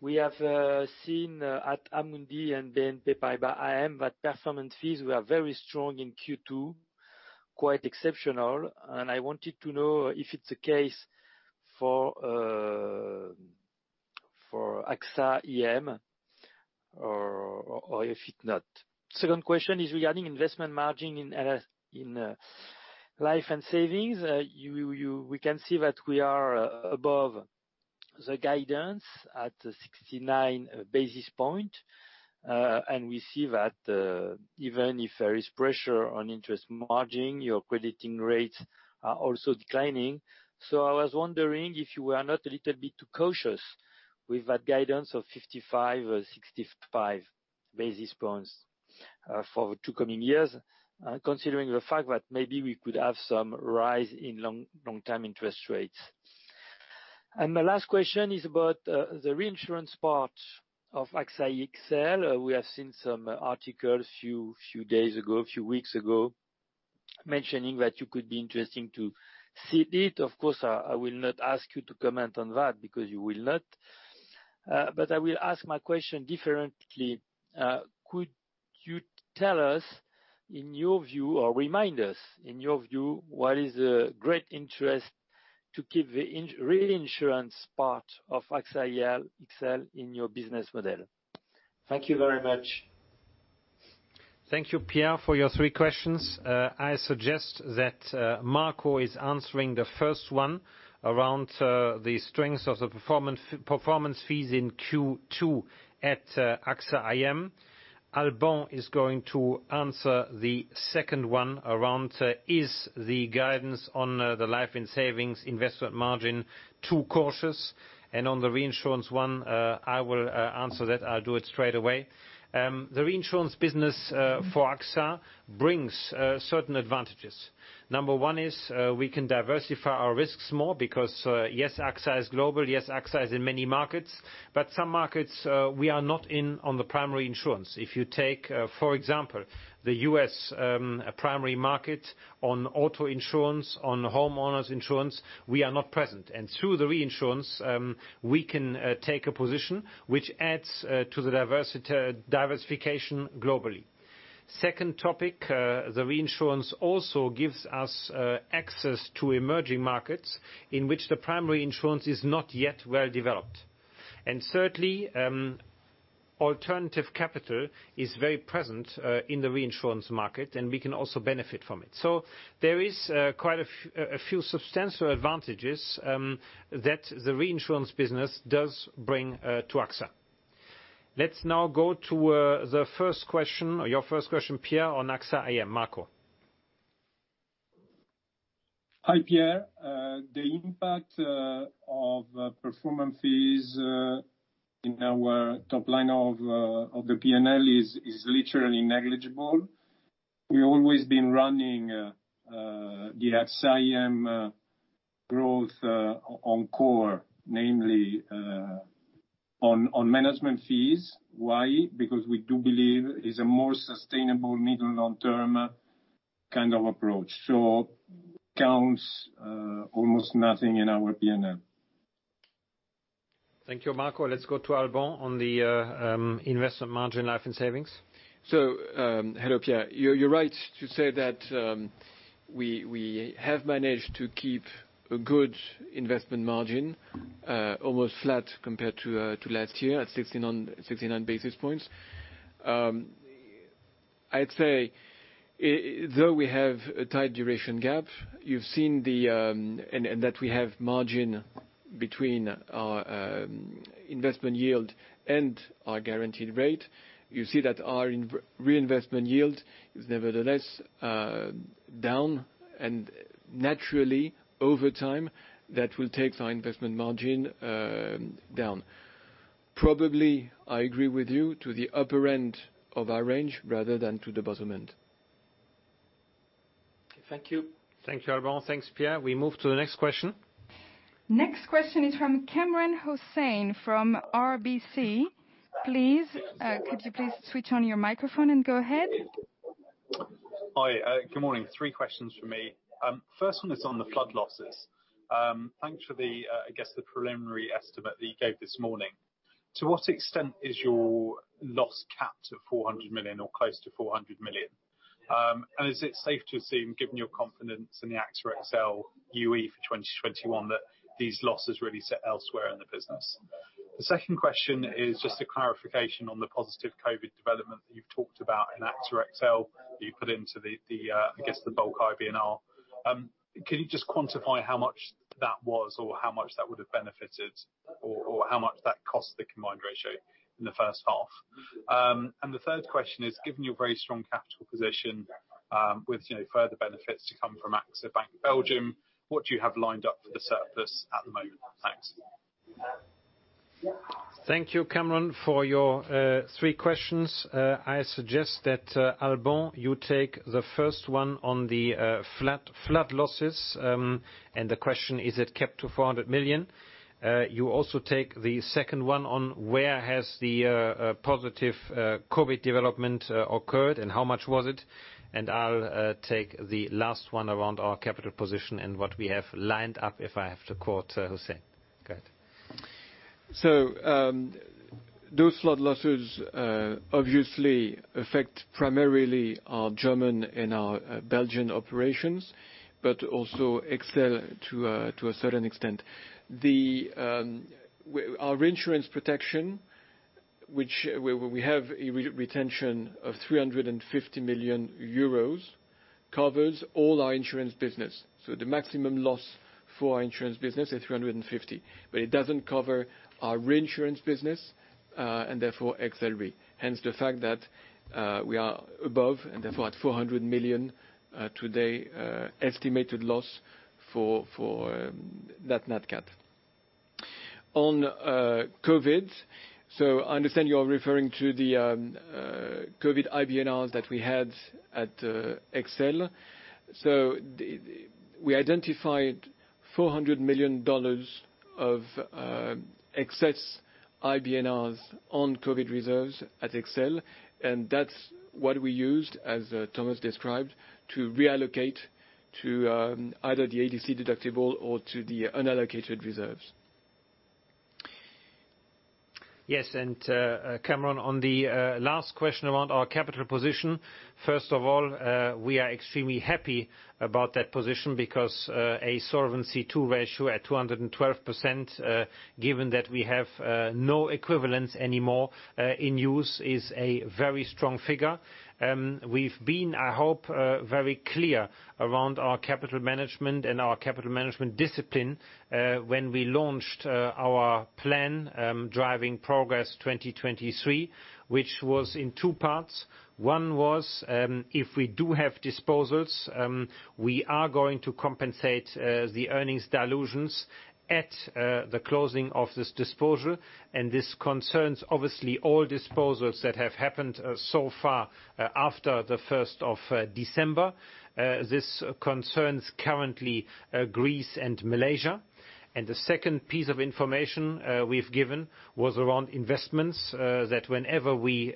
We have seen at Amundi and BNP Paribas IM that performance fees were very strong in Q2, quite exceptional. I wanted to know if it's the case for AXA IM or if it not. Second question is regarding investment margin in Life and Savings. We can see that we are above the guidance at 69 basis point. We see that even if there is pressure on interest margin, your crediting rates are also declining. I was wondering if you were not a little bit too cautious with that guidance of 55 or 65 basis points, for two coming years, considering the fact that maybe we could have some rise in long-term interest rates. My last question is about the reinsurance part of AXA XL. We have seen some articles few days ago, a few weeks ago, mentioning that you could be interesting to cede it. Of course, I will not ask you to comment on that because you will not. I will ask my question differently. Could you tell us in your view, or remind us, in your view, what is the great interest to keep the reinsurance part of AXA XL in your business model? Thank you very much. Thank you, Pierre, for your three questions. I suggest that Marco is answering the first one around the strengths of the performance fees in Q2 at AXA IM. Alban is going to answer the second one around, is the guidance on the life and savings investment margin too cautious? On the reinsurance one, I will answer that. I'll do it straight away. The reinsurance business for AXA brings certain advantages. Number one is, we can diversify our risks more because, yes, AXA is global, yes, AXA is in many markets, but some markets, we are not in on the primary insurance. If you take, for example, the U.S. primary market on auto insurance, on homeowners insurance, we are not present. Through the reinsurance, we can take a position which adds to the diversification globally. Second topic, the reinsurance also gives us access to emerging markets in which the primary insurance is not yet well developed. Thirdly, alternative capital is very present in the reinsurance market, and we can also benefit from it. There is quite a few substantial advantages that the reinsurance business does bring to AXA. Let's now go to the first question, your first question, Pierre, on AXA IM. Marco? Hi, Pierre. The impact of performance fees in our top line of the P&L is literally negligible. We always been running the AXA IM growth on core, namely on management fees. Why? Because we do believe is a more sustainable middle, long term kind of approach. Counts almost nothing in our P&L. Thank you. Marco. Let's go to Alban on the investment margin life and savings. Hello, Pierre. You're right to say we have managed to keep a good investment margin, almost flat compared to last year, at 69 basis points. I'd say, though we have a tight duration gap, and that we have margin between our investment yield and our guaranteed rate, you see that our reinvestment yield is nevertheless down. Naturally, over time, that will take our investment margin down. Probably, I agree with you, to the upper end of our range rather than to the bottom end. Thank you. Thank you, Alban. Thanks, Pierre. We move to the next question. Next question is from Kamran Hossain from RBC. Please, could you please switch on your microphone and go ahead? Hi, good morning. Three questions from me. First one is on the flood losses. Thanks for the, I guess, the preliminary estimate that you gave this morning. To what extent is your loss capped at 400 million or close to 400 million? Is it safe to assume, given your confidence in the AXA XL for 2021, that these losses really sit elsewhere in the business? The second question is just a clarification on the positive COVID development that you've talked about in AXA XL, that you put into the, I guess, the bulk IBNR. Can you just quantify how much that was or how much that would have benefited or, how much that cost the combined ratio in the first half? The third question is, given your very strong capital position, with further benefits to come from AXA Bank Belgium, what do you have lined up for the surplus at the moment? Thanks. Thank you, Kamran, for your three questions. I suggest that, Alban, you take the first one on the flood losses. The question, is it capped to 400 million? You also take the second one on where has the positive COVID development occurred and how much was it? I'll take the last one around our capital position and what we have lined up if I have to quote Hossain. Go ahead. Those flood losses, obviously affect primarily our German and our Belgian operations, but also XL to a certain extent. Our reinsurance protection, which we have a retention of 350 million euros, covers all our insurance business. The maximum loss for our insurance business is 350. It doesn't cover our reinsurance business, and therefore XL Re. Hence, the fact that we are above, and therefore at 400 million today, estimated loss for that nat cat. On COVID. I understand you're referring to the COVID IBNRs that we had at XL. We identified $400 million of excess IBNRs on COVID reserves at XL, and that's what we used, as Thomas described, to reallocate to either the ADC deductible or to the unallocated reserves. Yes. Kamran, on the last question around our capital position. First of all, we are extremely happy about that position because, a Solvency II ratio at 212%, given that we have no equivalence anymore in use is a very strong figure. We've been, I hope, very clear around our capital management and our capital management discipline, when we launched our plan, Driving Progress 2023, which was in two parts. One was, if we do have disposals, we are going to compensate the earnings dilutions at the closing of this disposal. This concerns obviously all disposals that have happened so far after the 1st of December. This concerns currently Greece and Malaysia. The second piece of information we've given was around investments, that whenever we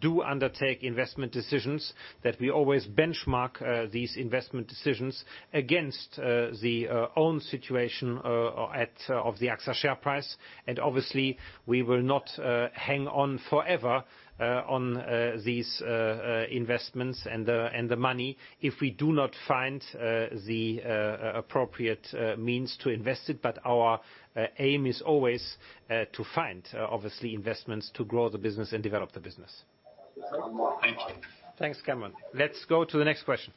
do undertake investment decisions, that we always benchmark these investment decisions against the own situation of the AXA share price. Obviously, we will not hang on forever, on these investments and the money if we do not find the appropriate means to invest it. Our aim is always to find, obviously, investments to grow the business and develop the business. Thank you. Thanks, Kamran. Let's go to the next question.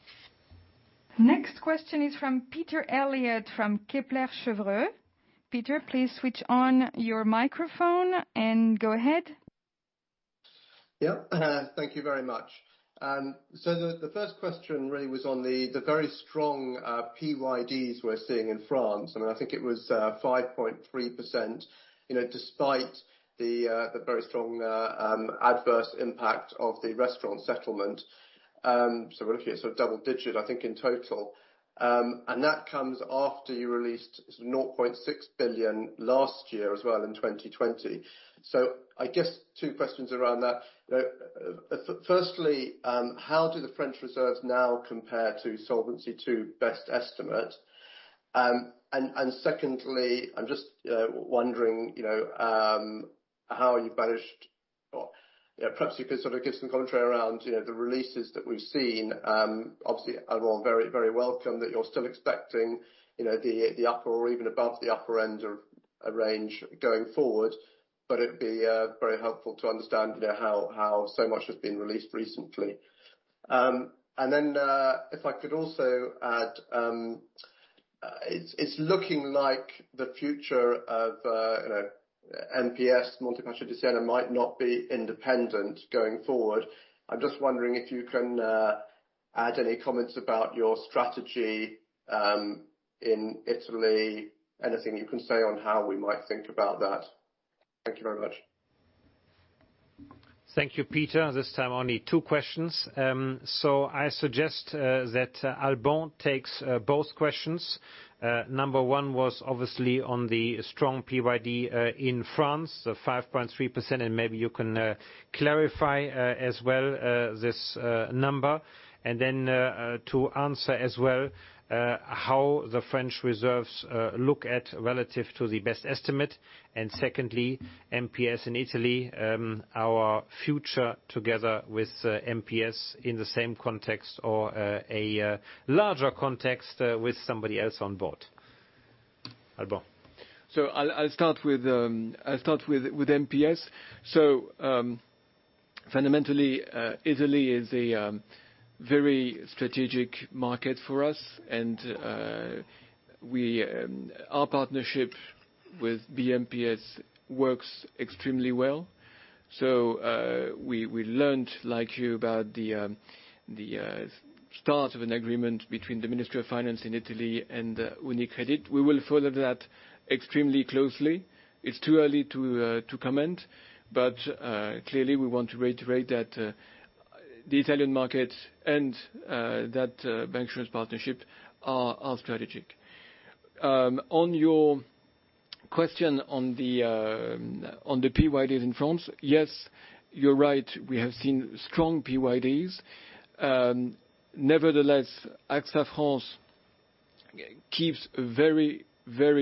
Next question is from Peter Eliot from Kepler Cheuvreux. Peter, please switch on your microphone and go ahead. Thank you very much. The first question really was on the very strong PYD we're seeing in France. I think it was 5.3%, despite the very strong adverse impact of the restaurant settlement. We're looking at double digit, I think, in total. That comes after you released sort of 0.6 billion last year as well in 2020. I guess two questions around that. Firstly, how do the French reserves now compare to Solvency II best estimate? Secondly, I'm just wondering perhaps you could give some commentary around the releases that we've seen. Obviously, Alban, very welcome that you're still expecting the upper or even above the upper end of a range going forward, but it'd be very helpful to understand how so much has been released recently. If I could also add, it's looking like the future of MPS, Monte Paschi di Siena, might not be independent going forward. I'm just wondering if you can add any comments about your strategy in Italy, anything you can say on how we might think about that. Thank you very much. Thank you, Peter. This time, only two questions. I suggest that Alban takes both questions. Number one was obviously on the strong PYD in France, the 5.3%, and maybe you can clarify as well this number. To answer as well how the French reserves look at relative to the best estimate. Secondly, MPS in Italy, our future together with MPS in the same context or a larger context with somebody else on board. Alban. I'll start with MPS. Fundamentally, Italy is a very strategic market for us, and our partnership with BMPS works extremely well. We learned, like you, about the start of an agreement between the Ministry of Finance in Italy and UniCredit. We will follow that extremely closely. It's too early to comment, but clearly, we want to reiterate that the Italian market and that bancassurance partnership are strategic. On your question on the PYDs in France. Yes, you're right. We have seen strong PYDs. Nevertheless, AXA France keeps very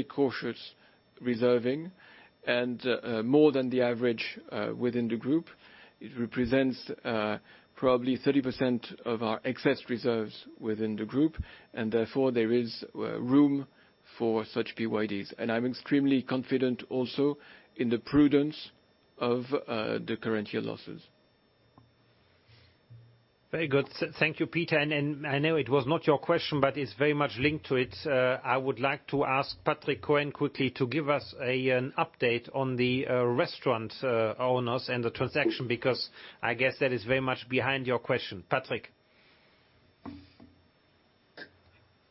cautious reserving and more than the average within the group. It represents probably 30% of our excess reserves within the group, and therefore, there is room for such PYDs. I'm extremely confident also in the prudence of the current year losses. Very good. Thank you, Peter. I know it was not your question, but it's very much linked to it. I would like to ask Patrick Cohen quickly to give us an update on the restaurant owners and the transaction, because I guess that is very much behind your question. Patrick.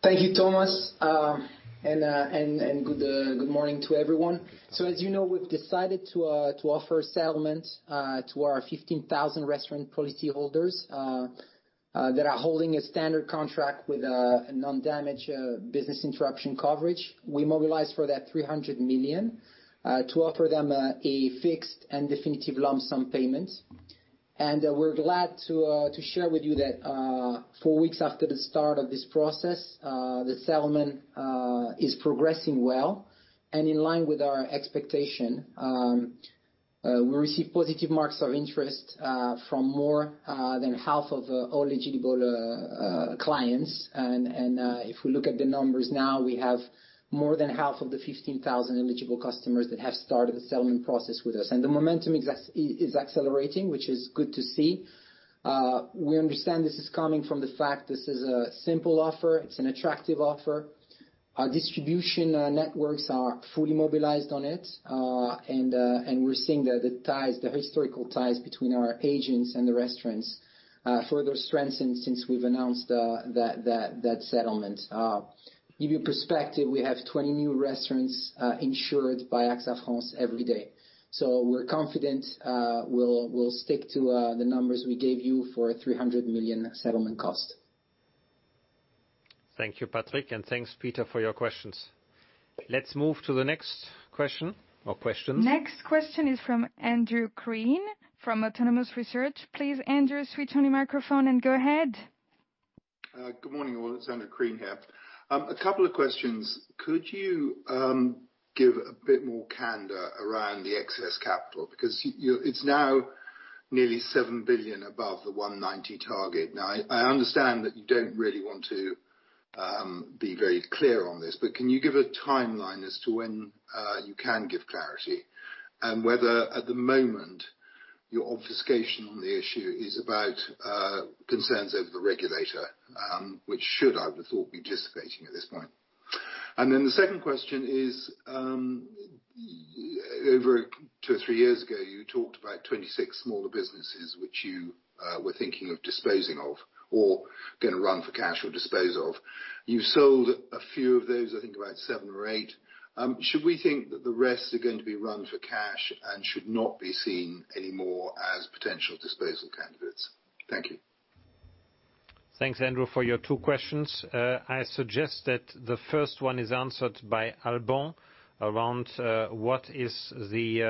Thank you, Thomas. Good morning to everyone. As you know, we've decided to offer a settlement to our 15,000 restaurant policy holders that are holding a standard contract with a non-damage business interruption coverage. We mobilized for that 300 million to offer them a fixed and definitive lump sum payment. We're glad to share with you that four weeks after the start of this process, the settlement is progressing well and in line with our expectation. We received positive marks of interest from more than half of all eligible clients. If we look at the numbers now, we have more than half of the 15,000 eligible customers that have started the settlement process with us. The momentum is accelerating, which is good to see. We understand this is coming from the fact this is a simple offer. It's an attractive offer. Our distribution networks are fully mobilized on it. We're seeing the historical ties between our agents and the restaurants further strengthened since we've announced that settlement. To give you perspective, we have 20 new restaurants insured by AXA France every day. We're confident we'll stick to the numbers we gave you for 300 million settlement cost. Thank you, Patrick, and thanks, Peter, for your questions. Let's move to the next question or questions. Next question is from Kamran from Autonomous Research. Please, Andrew, switch on your microphone and go ahead. Good morning, all. It's Andrew Crean here. A couple of questions. Could you give a bit more candor around the excess capital? Because it's now nearly 7 billion above the 190 target. Now, I understand that you don't really want to be very clear on this, but can you give a timeline as to when you can give clarity? Whether at the moment, your obfuscation on the issue is about concerns over the regulator, which should, I would thought, be dissipating at this point. The second question is, over two or three years ago, you talked about 26 smaller businesses which you were thinking of disposing of or going to run for cash or dispose of. You sold a few of those, I think about seven or eight. Should we think that the rest are going to be run for cash and should not be seen anymore as potential disposal candidates? Thank you. Thanks, Andrew, for your two questions. I suggest that the first one is answered by Alban around what is the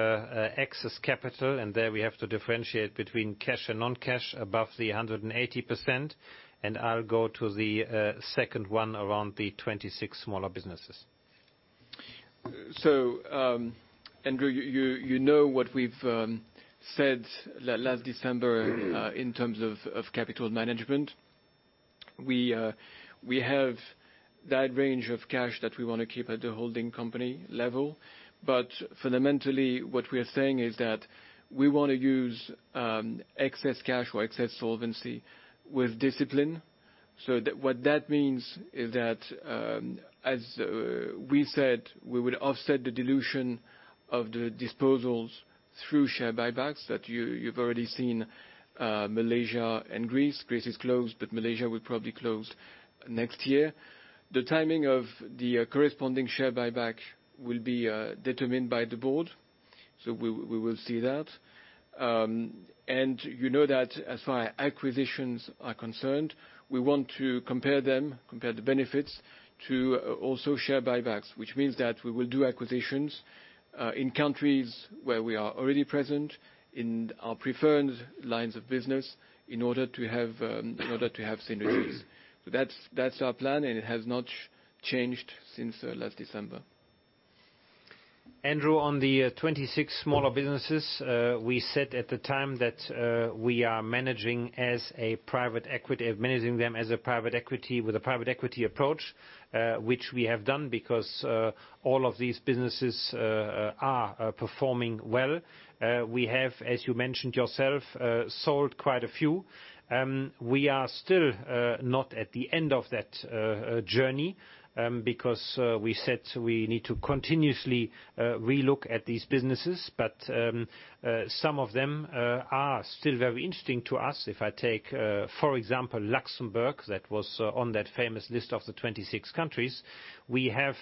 excess capital, and there we have to differentiate between cash and non-cash above the 180%. I'll go to the second one around the 26 smaller businesses. Andrew, you know what we've said last December in terms of capital management. We have that range of cash that we want to keep at the holding company level. Fundamentally, what we are saying is that we want to use excess cash or excess solvency with discipline. What that means is that, as we said, we would offset the dilution of the disposals through share buybacks, that you've already seen Malaysia and Greece. Greece is closed, but Malaysia will probably close next year. The timing of the corresponding share buyback will be determined by the board, so we will see that. You know that as far as acquisitions are concerned, we want to compare them, compare the benefits to also share buybacks, which means that we will do acquisitions in countries where we are already present in our preferred lines of business in order to have synergies. That's our plan, and it has not changed since last December. Andrew, on the 26 smaller businesses, we said at the time that we are managing them as a private equity with a private equity approach. Which we have done, because all of these businesses are performing well. We have, as you mentioned yourself, sold quite a few. We are still not at the end of that journey, because we said we need to continuously relook at these businesses. Some of them are still very interesting to us. If I take, for example, Luxembourg, that was on that famous list of the 26 countries. We have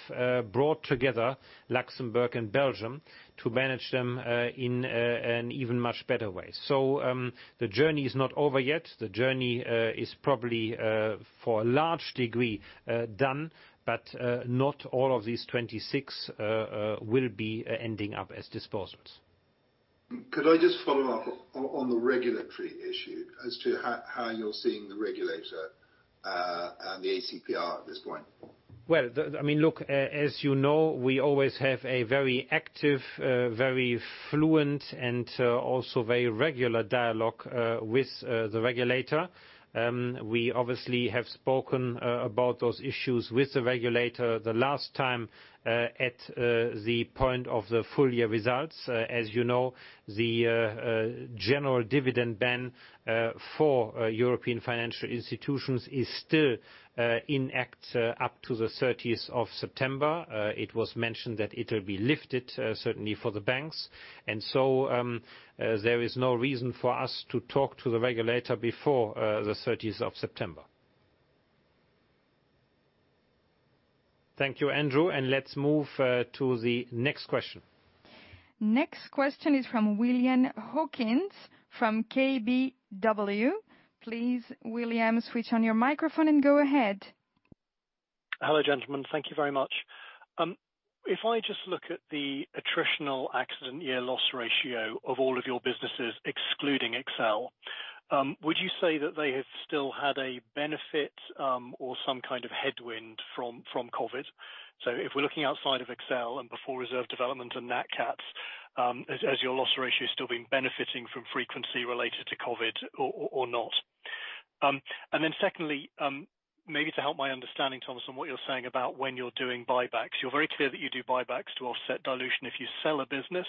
brought together Luxembourg and Belgium to manage them in an even much better way. The journey is not over yet. The journey is probably for a large degree done, but not all of these 26 will be ending up as disposals. Could I just follow up on the regulatory issue as to how you're seeing the regulator, and the ACPR at this point? Well, look, as you know, we always have a very active, very fluent, and also very regular dialogue with the regulator. We obviously have spoken about those issues with the regulator. The last time at the point of the full year results. As you know, the general dividend ban for European financial institutions is still in act up to the 30th of September. It was mentioned that it will be lifted, certainly for the banks. There is no reason for us to talk to the regulator before the 30th of September. Thank you, Andrew. Let's move to the next question. Next question is from William Hawkins from KBW. Please, William, switch on your microphone and go ahead. Hello, gentlemen. Thank you very much. If I just look at the attritional accident year loss ratio of all of your businesses excluding AXA XL, would you say that they have still had a benefit, or some kind of headwind from COVID? If we're looking outside of AXA XL and before reserve development and nat cats, has your loss ratio still been benefiting from frequency related to COVID or not? Secondly, maybe to help my understanding, Thomas, on what you're saying about when you're doing buybacks. You're very clear that you do buybacks to offset dilution if you sell a business.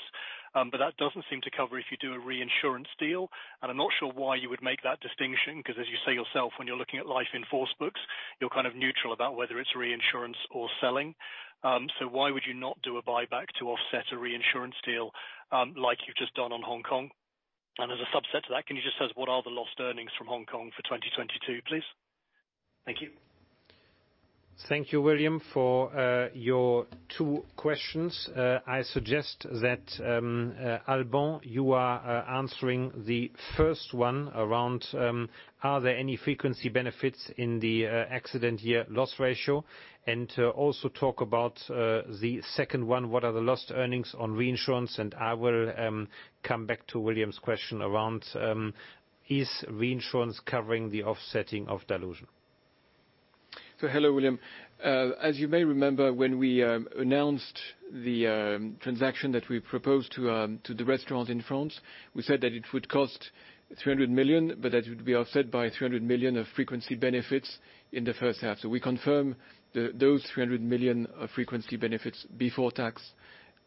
That doesn't seem to cover if you do a reinsurance deal, and I'm not sure why you would make that distinction, because, as you say yourself, when you're looking at life in force books, you're kind of neutral about whether it's reinsurance or selling. Why would you not do a buyback to offset a reinsurance deal, like you've just done on Hong Kong? As a subset to that, can you just tell us what are the lost earnings from Hong Kong for 2022, please? Thank you. Thank you, William, for your two questions. I suggest that, Alban, you are answering the first one around are there any frequency benefits in the accident year loss ratio? And also talk about the second one, what are the lost earnings on reinsurance? And I will come back to William's question around, is reinsurance covering the offsetting of dilution? Hello, William. As you may remember, when we announced the transaction that we proposed to the restaurant in France, we said that it would cost 300 million, but that it would be offset by 300 million of frequency benefits in the first half. We confirm those 300 million of frequency benefits before tax,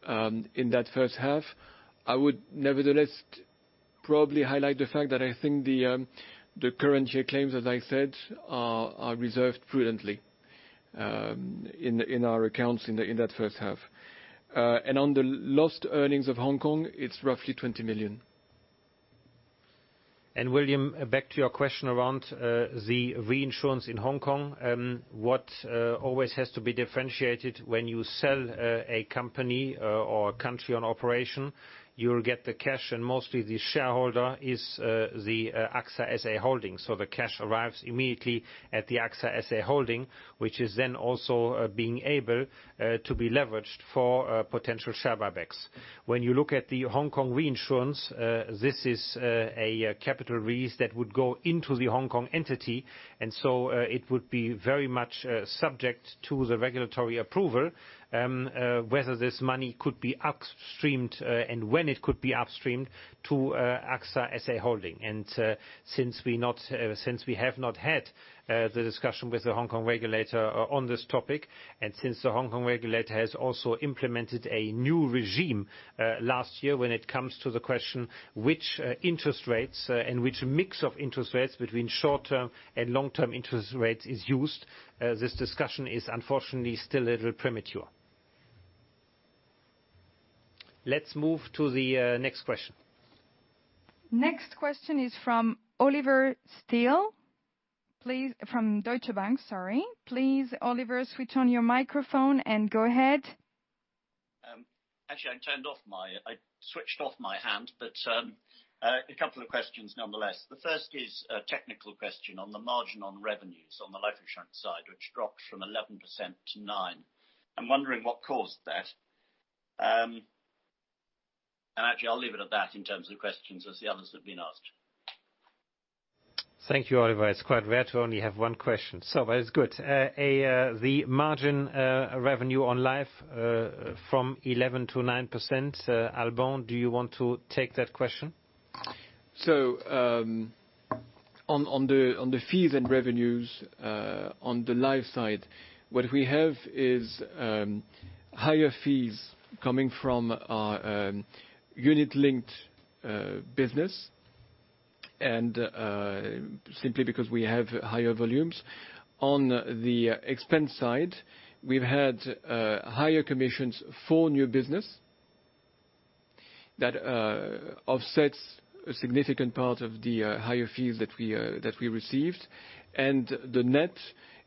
in that first half. I would nevertheless probably highlight the fact that I think the current year claims, as I said, are reserved prudently in our accounts in that first half. On the lost earnings of Hong Kong, it's roughly 20 million. William, back to your question around the reinsurance in Hong Kong. What always has to be differentiated when you sell a company or a country on operation, you'll get the cash, and mostly the shareholder is the AXA SA Holding. The cash arrives immediately at the AXA SA Holding, which is then also being able to be leveraged for potential share buybacks. When you look at the Hong Kong reinsurance, this is a capital release that would go into the Hong Kong entity. It would be very much subject to the regulatory approval, whether this money could be upstreamed, and when it could be upstreamed, to AXA SA Holding. Since we have not had the discussion with the Hong Kong regulator on this topic, and since the Hong Kong regulator has also implemented a new regime last year when it comes to the question which interest rates and which mix of interest rates between short-term and long-term interest rates is used, this discussion is unfortunately still a little premature. Let's move to the next question. Next question is from Oliver Steel. From Deutsche Bank, sorry. Please, Oliver, switch on your microphone and go ahead. Actually, I switched off my hand, but a couple of questions nonetheless. The first is a technical question on the margin on revenues on the life insurance side, which dropped from 11% to nine. I'm wondering what caused that. Actually, I'll leave it at that in terms of questions as the others have been asked. Thank you, Oliver. It's quite rare to only have one question. That is good. The margin revenue on life from 11% to 9%, Alban, do you want to take that question? On the fees and revenues on the life side, what we have is higher fees coming from our unit-linked business, and simply because we have higher volumes. On the expense side, we've had higher commissions for new business. That offsets a significant part of the higher fees that we received. The net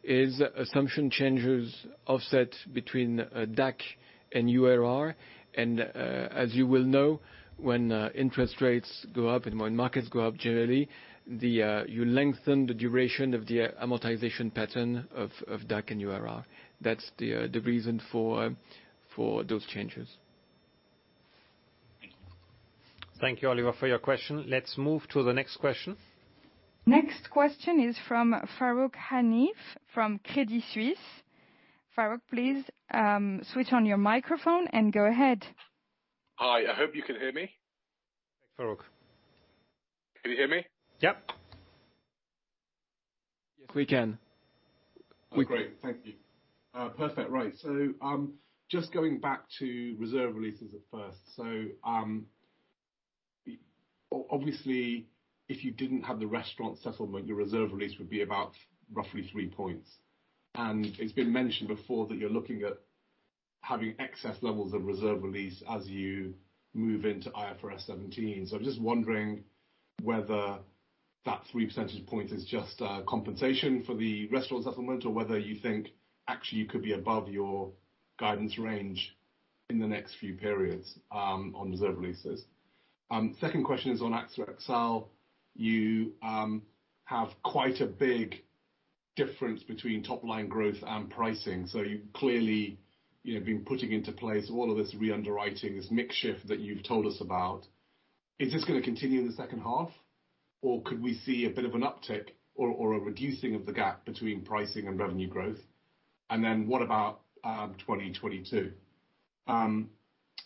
is assumption changes offset between DAC and URR. As you well know, when interest rates go up and when markets go up generally, you lengthen the duration of the amortization pattern of DAC and URR. That's the reason for those changes. Thank you. Thank you, Oliver, for your question. Let's move to the next question. Next question is from Farooq Hanif from Credit Suisse. Farooq, please switch on your microphone and go ahead. Hi. I hope you can hear me. Farooq. Can you hear me? Yep. Yes, we can. Oh, great. Thank you. Perfect. Right. Just going back to reserve releases at first. Obviously if you didn't have the restaurant settlement, your reserve release would be about roughly three points. It's been mentioned before that you're looking at having excess levels of reserve release as you move into IFRS 17. I'm just wondering whether that 3 percentage points is just compensation for the restaurant settlement, or whether you think actually you could be above your guidance range in the next few periods on reserve releases. Second question is on AXA XL. You have quite a big difference between top-line growth and pricing. You clearly have been putting into place all of this re-underwriting, this mix shift that you've told us about. Is this going to continue in the second half, or could we see a bit of an uptick or a reducing of the gap between pricing and revenue growth? What about 2022?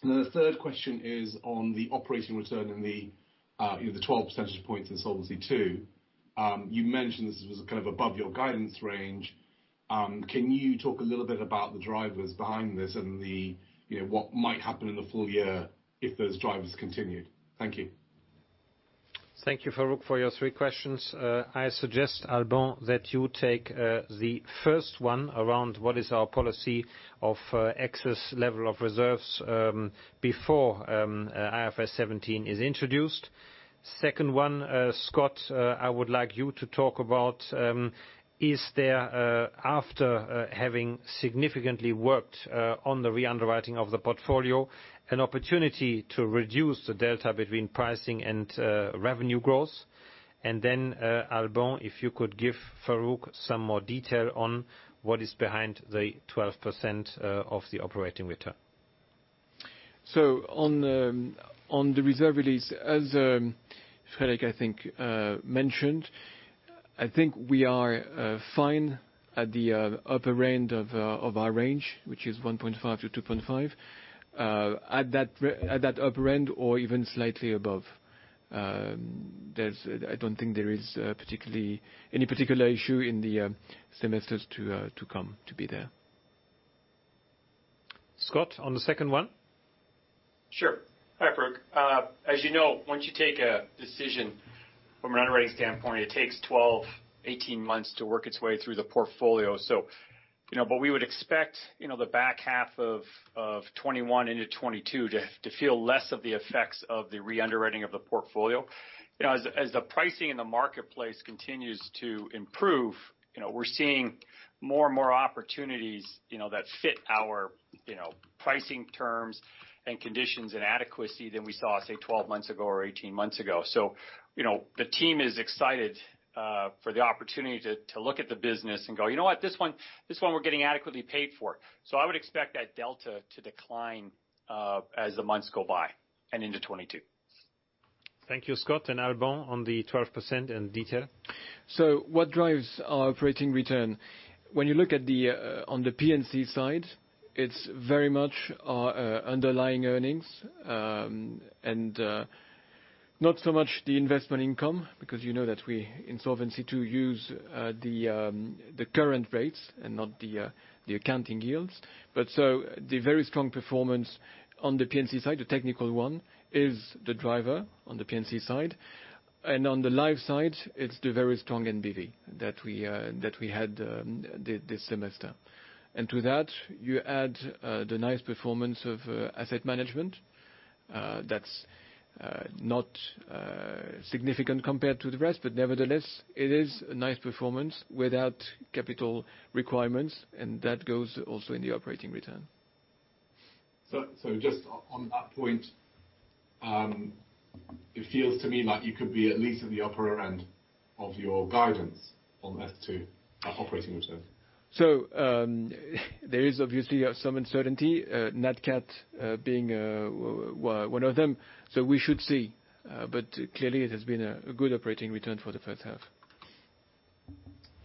The third question is on the operating return and the 12 percentage points in Solvency II. You mentioned this was above your guidance range. Can you talk a little bit about the drivers behind this and what might happen in the full year if those drivers continued? Thank you. Thank you, Farooq, for your three questions. I suggest, Alban, that you take the first one around what is our policy of excess level of reserves before IFRS 17 is introduced. Second one, Scott, I would like you to talk about, is there, after having significantly worked on the re-underwriting of the portfolio, an opportunity to reduce the delta between pricing and revenue growth? Then, Alban, if you could give Farooq some more detail on what is behind the 12% of the operating return. On the reserve release, as Frédéric, I think, mentioned, I think we are fine at the upper end of our range, which is 1.5%-2.5%. At that upper end or even slightly above. I don't think there is any particular issue in the semesters to come to be there. Scott, on the second one. Sure. Hi, Farooq. As you know, once you take a decision from an underwriting standpoint, it takes 12, 18 months to work its way through the portfolio. But we would expect the back half of 2021 into 2022 to feel less of the effects of the re-underwriting of the portfolio. As the pricing in the marketplace continues to improve, we're seeing more and more opportunities that fit our pricing terms and conditions and adequacy than we saw, say, 12 months ago or 18 months ago. The team is excited for the opportunity to look at the business and go, "You know what? This one we're getting adequately paid for." I would expect that delta to decline as the months go by and into 2022. Thank you, Scott, and Alban on the 12% in detail. What drives our operating return? When you look on the P&C side, it's very much our underlying earnings, and not so much the investment income, because you know that we in Solvency II use the current rates and not the accounting yields. The very strong performance on the P&C side, the technical one, is the driver on the P&C side, and on the life side, it's the very strong NBV that we had this semester. To that, you add the nice performance of asset management. That's not significant compared to the rest, but nevertheless, it is a nice performance without capital requirements, and that goes also in the operating return. Just on that point, it feels to me like you could be at least at the upper end of your guidance on S2 operating return. There is obviously some uncertainty, Nat Cat being one of them. We should see. Clearly it has been a good operating return for the first half.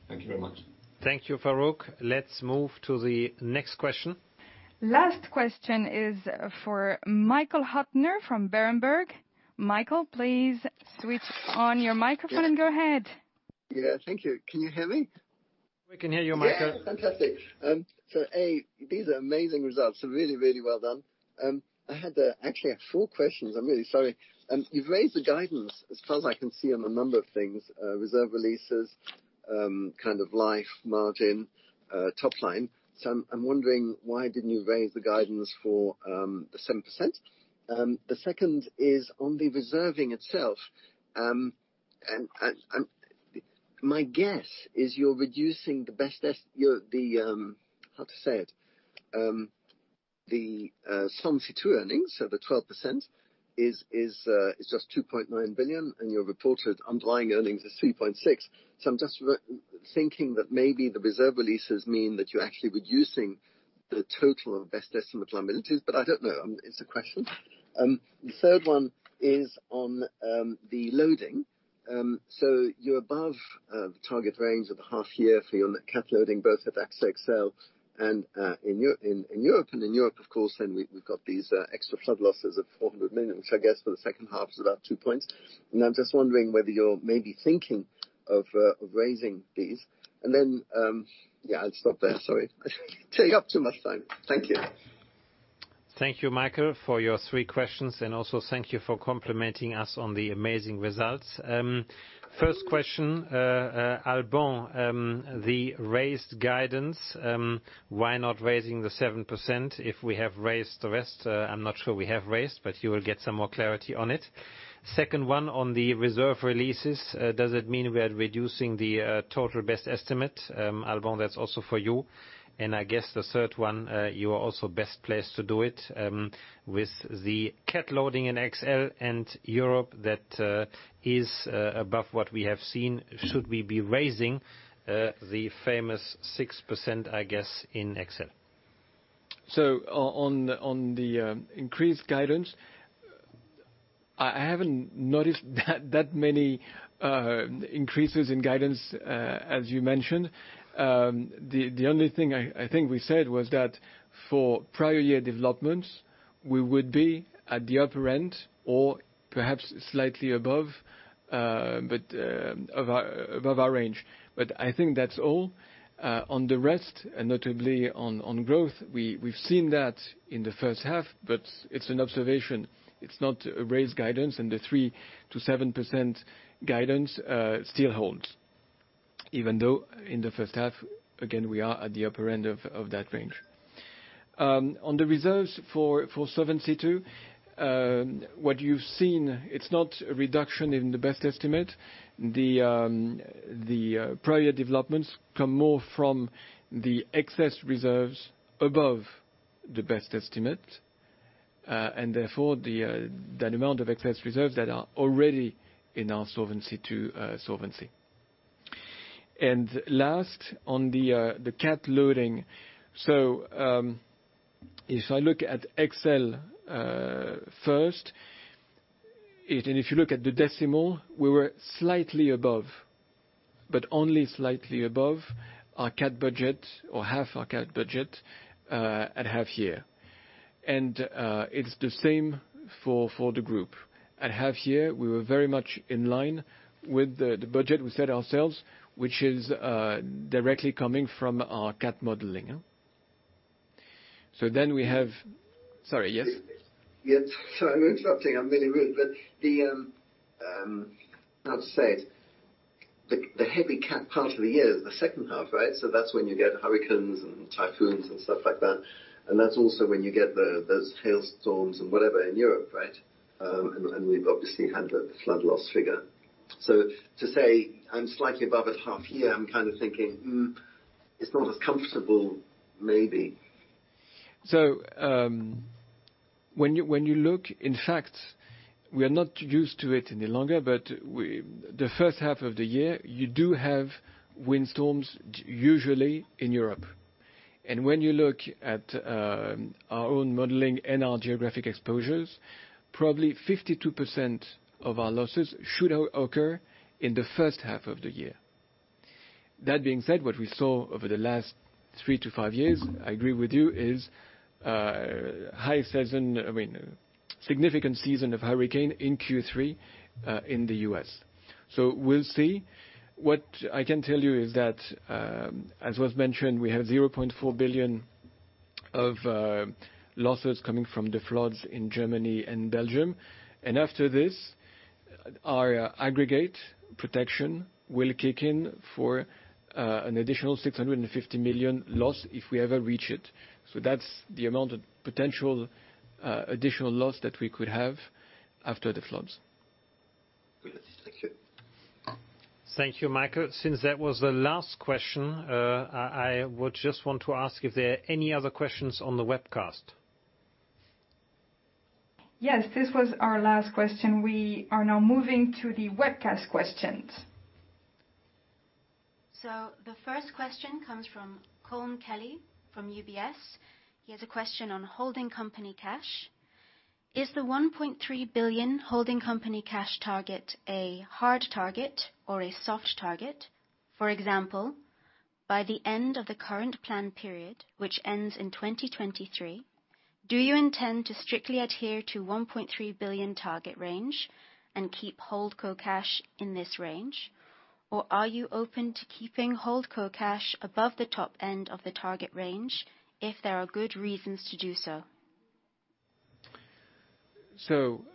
Thank you very much. Thank you, Farooq. Let's move to the next question. Last question is for Michael Huttner from Berenberg. Michael, please switch on your microphone and go ahead. Yeah, thank you. Can you hear me? We can hear you, Michael. Yeah, fantastic. These are amazing results, so really well done. I had actually four questions. I'm really sorry. You've raised the guidance as far as I can see on a number of things, reserve releases, kind of life margin, top line. I'm wondering why didn't you raise the guidance for the 7%? The second is on the reserving itself. My guess is you're reducing the best estimate, how to say it, the Solvency II earnings, so the 12% is just 2.9 billion, and your reported underlying earnings is 3.6 billion. I'm just thinking that maybe the reserve releases mean that you're actually reducing the total of best estimate liabilities, but I don't know. It's a question. The third one is on the loading. You're above the target range of the half-year for your nat cat loading, both at AXA XL and in Europe. In Europe, of course, we've got these extra flood losses of 400 million, which I guess for the second half is about 2 points. I'm just wondering whether you're maybe thinking of raising these. Yeah, I'll stop there. Sorry. Taking up too much time. Thank you. Thank you, Michael, for your three questions. Also thank you for complimenting us on the amazing results. First question, Alban, the raised guidance. Why not raising the 7% if we have raised the rest? I'm not sure we have raised, but you will get some more clarity on it. Second one on the reserve releases. Does it mean we are reducing the total best estimate? Alban, that's also for you. I guess the third one, you are also best placed to do it. With the cat loading in XL and Europe, that is above what we have seen. Should we be raising the famous 6%, I guess, in XL? On the increased guidance, I haven't noticed that many increases in guidance, as you mentioned. The only thing I think we said was that for Prior Year Developments, we would be at the upper end or perhaps slightly above our range. I think that's all. On the rest, and notably on growth, we've seen that in the first half, but it's an observation. It's not a raised guidance, and the 3%-7% guidance still holds, even though in the first half, again, we are at the upper end of that range. On the reserves for Solvency II, what you've seen, it's not a reduction in the best estimate. The Prior Year Developments come more from the excess reserves above the best estimate, and therefore the net amount of excess reserves that are already in our Solvency II solvency. Last, on the cat loading. If I look at XL first, and if you look at the actual, we were slightly above, but only slightly above our cat budget or half our cat budget, at half-year. It's the same for the group. At half-year, we were very much in line with the budget we set ourselves, which is directly coming from our cat modeling. Sorry, yes? Yes. Sorry, I'm interrupting. I'm really rude. How to say it, the heavy part of the year is the second half, right? That's when you get hurricanes and typhoons and stuff like that. That's also when you get those hailstorms and whatever in Europe, right? We've obviously had the flood loss figure. To say I'm slightly above it half year, I'm thinking, it's not as comfortable maybe. When you look, in fact, we are not used to it any longer, but the first half of the year, you do have windstorms, usually in Europe. When you look at our own modeling and our geographic exposures, probably 52% of our losses should occur in the first half of the year. That being said, what we saw over the last three to five years, I agree with you, is high season, significant season of hurricane in Q3, in the U.S. We'll see. What I can tell you is that, as was mentioned, we have 0.4 billion of losses coming from the floods in Germany and Belgium. After this, our aggregate protection will kick in for an additional 650 million loss if we ever reach it. That's the amount of potential additional loss that we could have after the floods. Good. Thank you. Thank you, Michael. Since that was the last question, I would just want to ask if there are any other questions on the webcast. Yes, this was our last question. We are now moving to the webcast questions. The first question comes from Colm Kelly from UBS. He has a question on holding company cash. Is the 1.3 billion holding company cash target a hard target or a soft target? For example, by the end of the current plan period, which ends in 2023, do you intend to strictly adhere to 1.3 billion target range and keep Holdco cash in this range? Or are you open to keeping Holdco cash above the top end of the target range if there are good reasons to do so?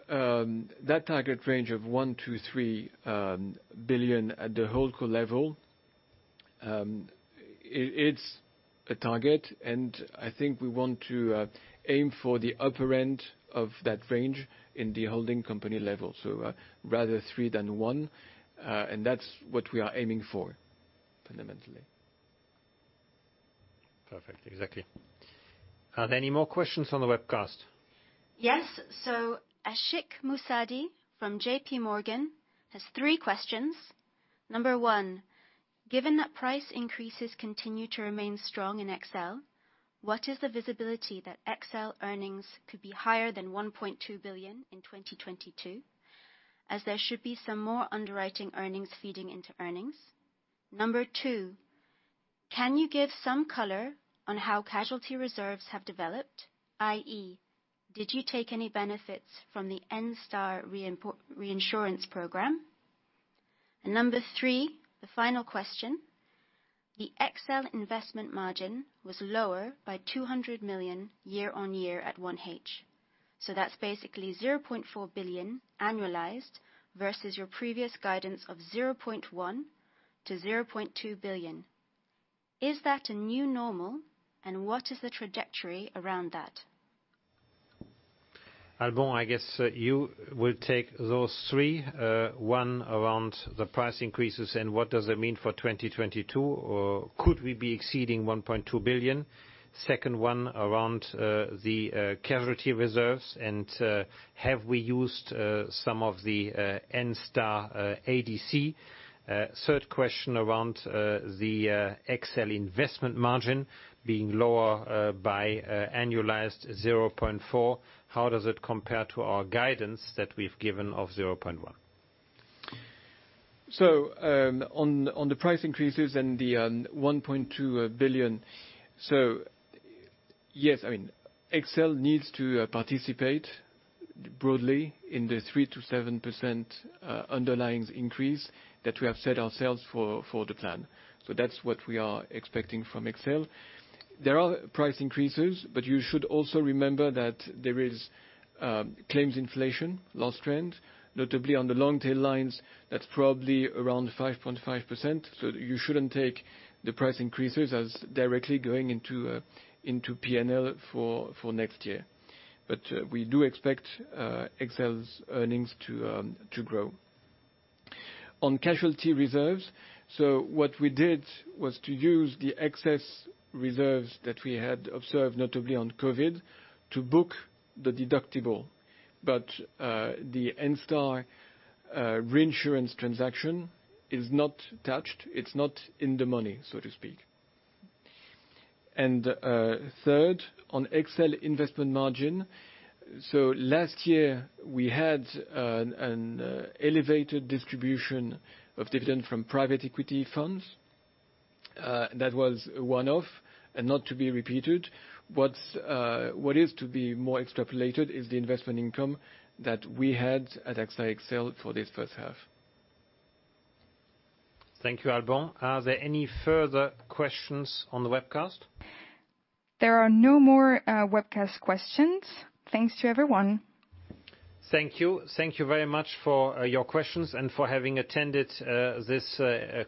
That target range of 1 billion-3 billion at the Holdco level, it's a target. I think we want to aim for the upper end of that range in the holding company level. Rather three than one. That's what we are aiming for, fundamentally. Perfect. Exactly. Are there any more questions on the webcast? Yes. Ashik Musaddi from JP Morgan has three questions. Number one, given that price increases continue to remain strong in XL, what is the visibility that XL earnings could be higher than 1.2 billion in 2022, as there should be some more underwriting earnings feeding into earnings? Number two, can you give some color on how casualty reserves have developed, i.e., did you take any benefits from the Enstar reinsurance program? Number three, the final question, the XL investment margin was lower by 200 million year-on-year at 1H. That's basically 0.4 billion annualized versus your previous guidance of 0.1 billion-0.2 billion. Is that a new normal, and what is the trajectory around that? Alban, I guess you will take those three. One around the price increases and what does it mean for 2022, or could we be exceeding 1.2 billion? Second one around the casualty reserves and have we used some of the Enstar ADC? Third question around the XL investment margin being lower by annualized 0.4%. How does it compare to our guidance that we've given of 0.1%? On the price increases and the 1.2 billion, so yes, XL needs to participate broadly in the 3%-7% underlying increase that we have set ourselves for the plan. That's what we are expecting from XL. There are price increases, but you should also remember that there is claims inflation, loss trend, notably on the long tail lines, that's probably around 5.5%. You shouldn't take the price increases as directly going into P&L for next year. We do expect XL's earnings to grow. On casualty reserves, what we did was to use the excess reserves that we had observed, notably on COVID, to book the deductible. The Enstar reinsurance transaction is not touched. It's not in the money, so to speak. Third, on XL investment margin, last year we had an elevated distribution of dividend from private equity funds. That was a one-off and not to be repeated. What is to be more extrapolated is the investment income that we had at AXA XL for this first half. Thank you, Alban. Are there any further questions on the webcast? There are no more webcast questions. Thanks to everyone. Thank you. Thank you very much for your questions and for having attended this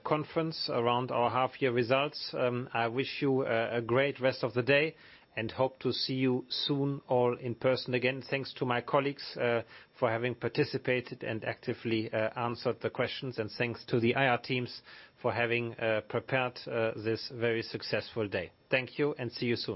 conference around our half year results. I wish you a great rest of the day and hope to see you soon, all in person again. Thanks to my colleagues for having participated and actively answered the questions, and thanks to the IR teams for having prepared this very successful day. Thank you and see you soon.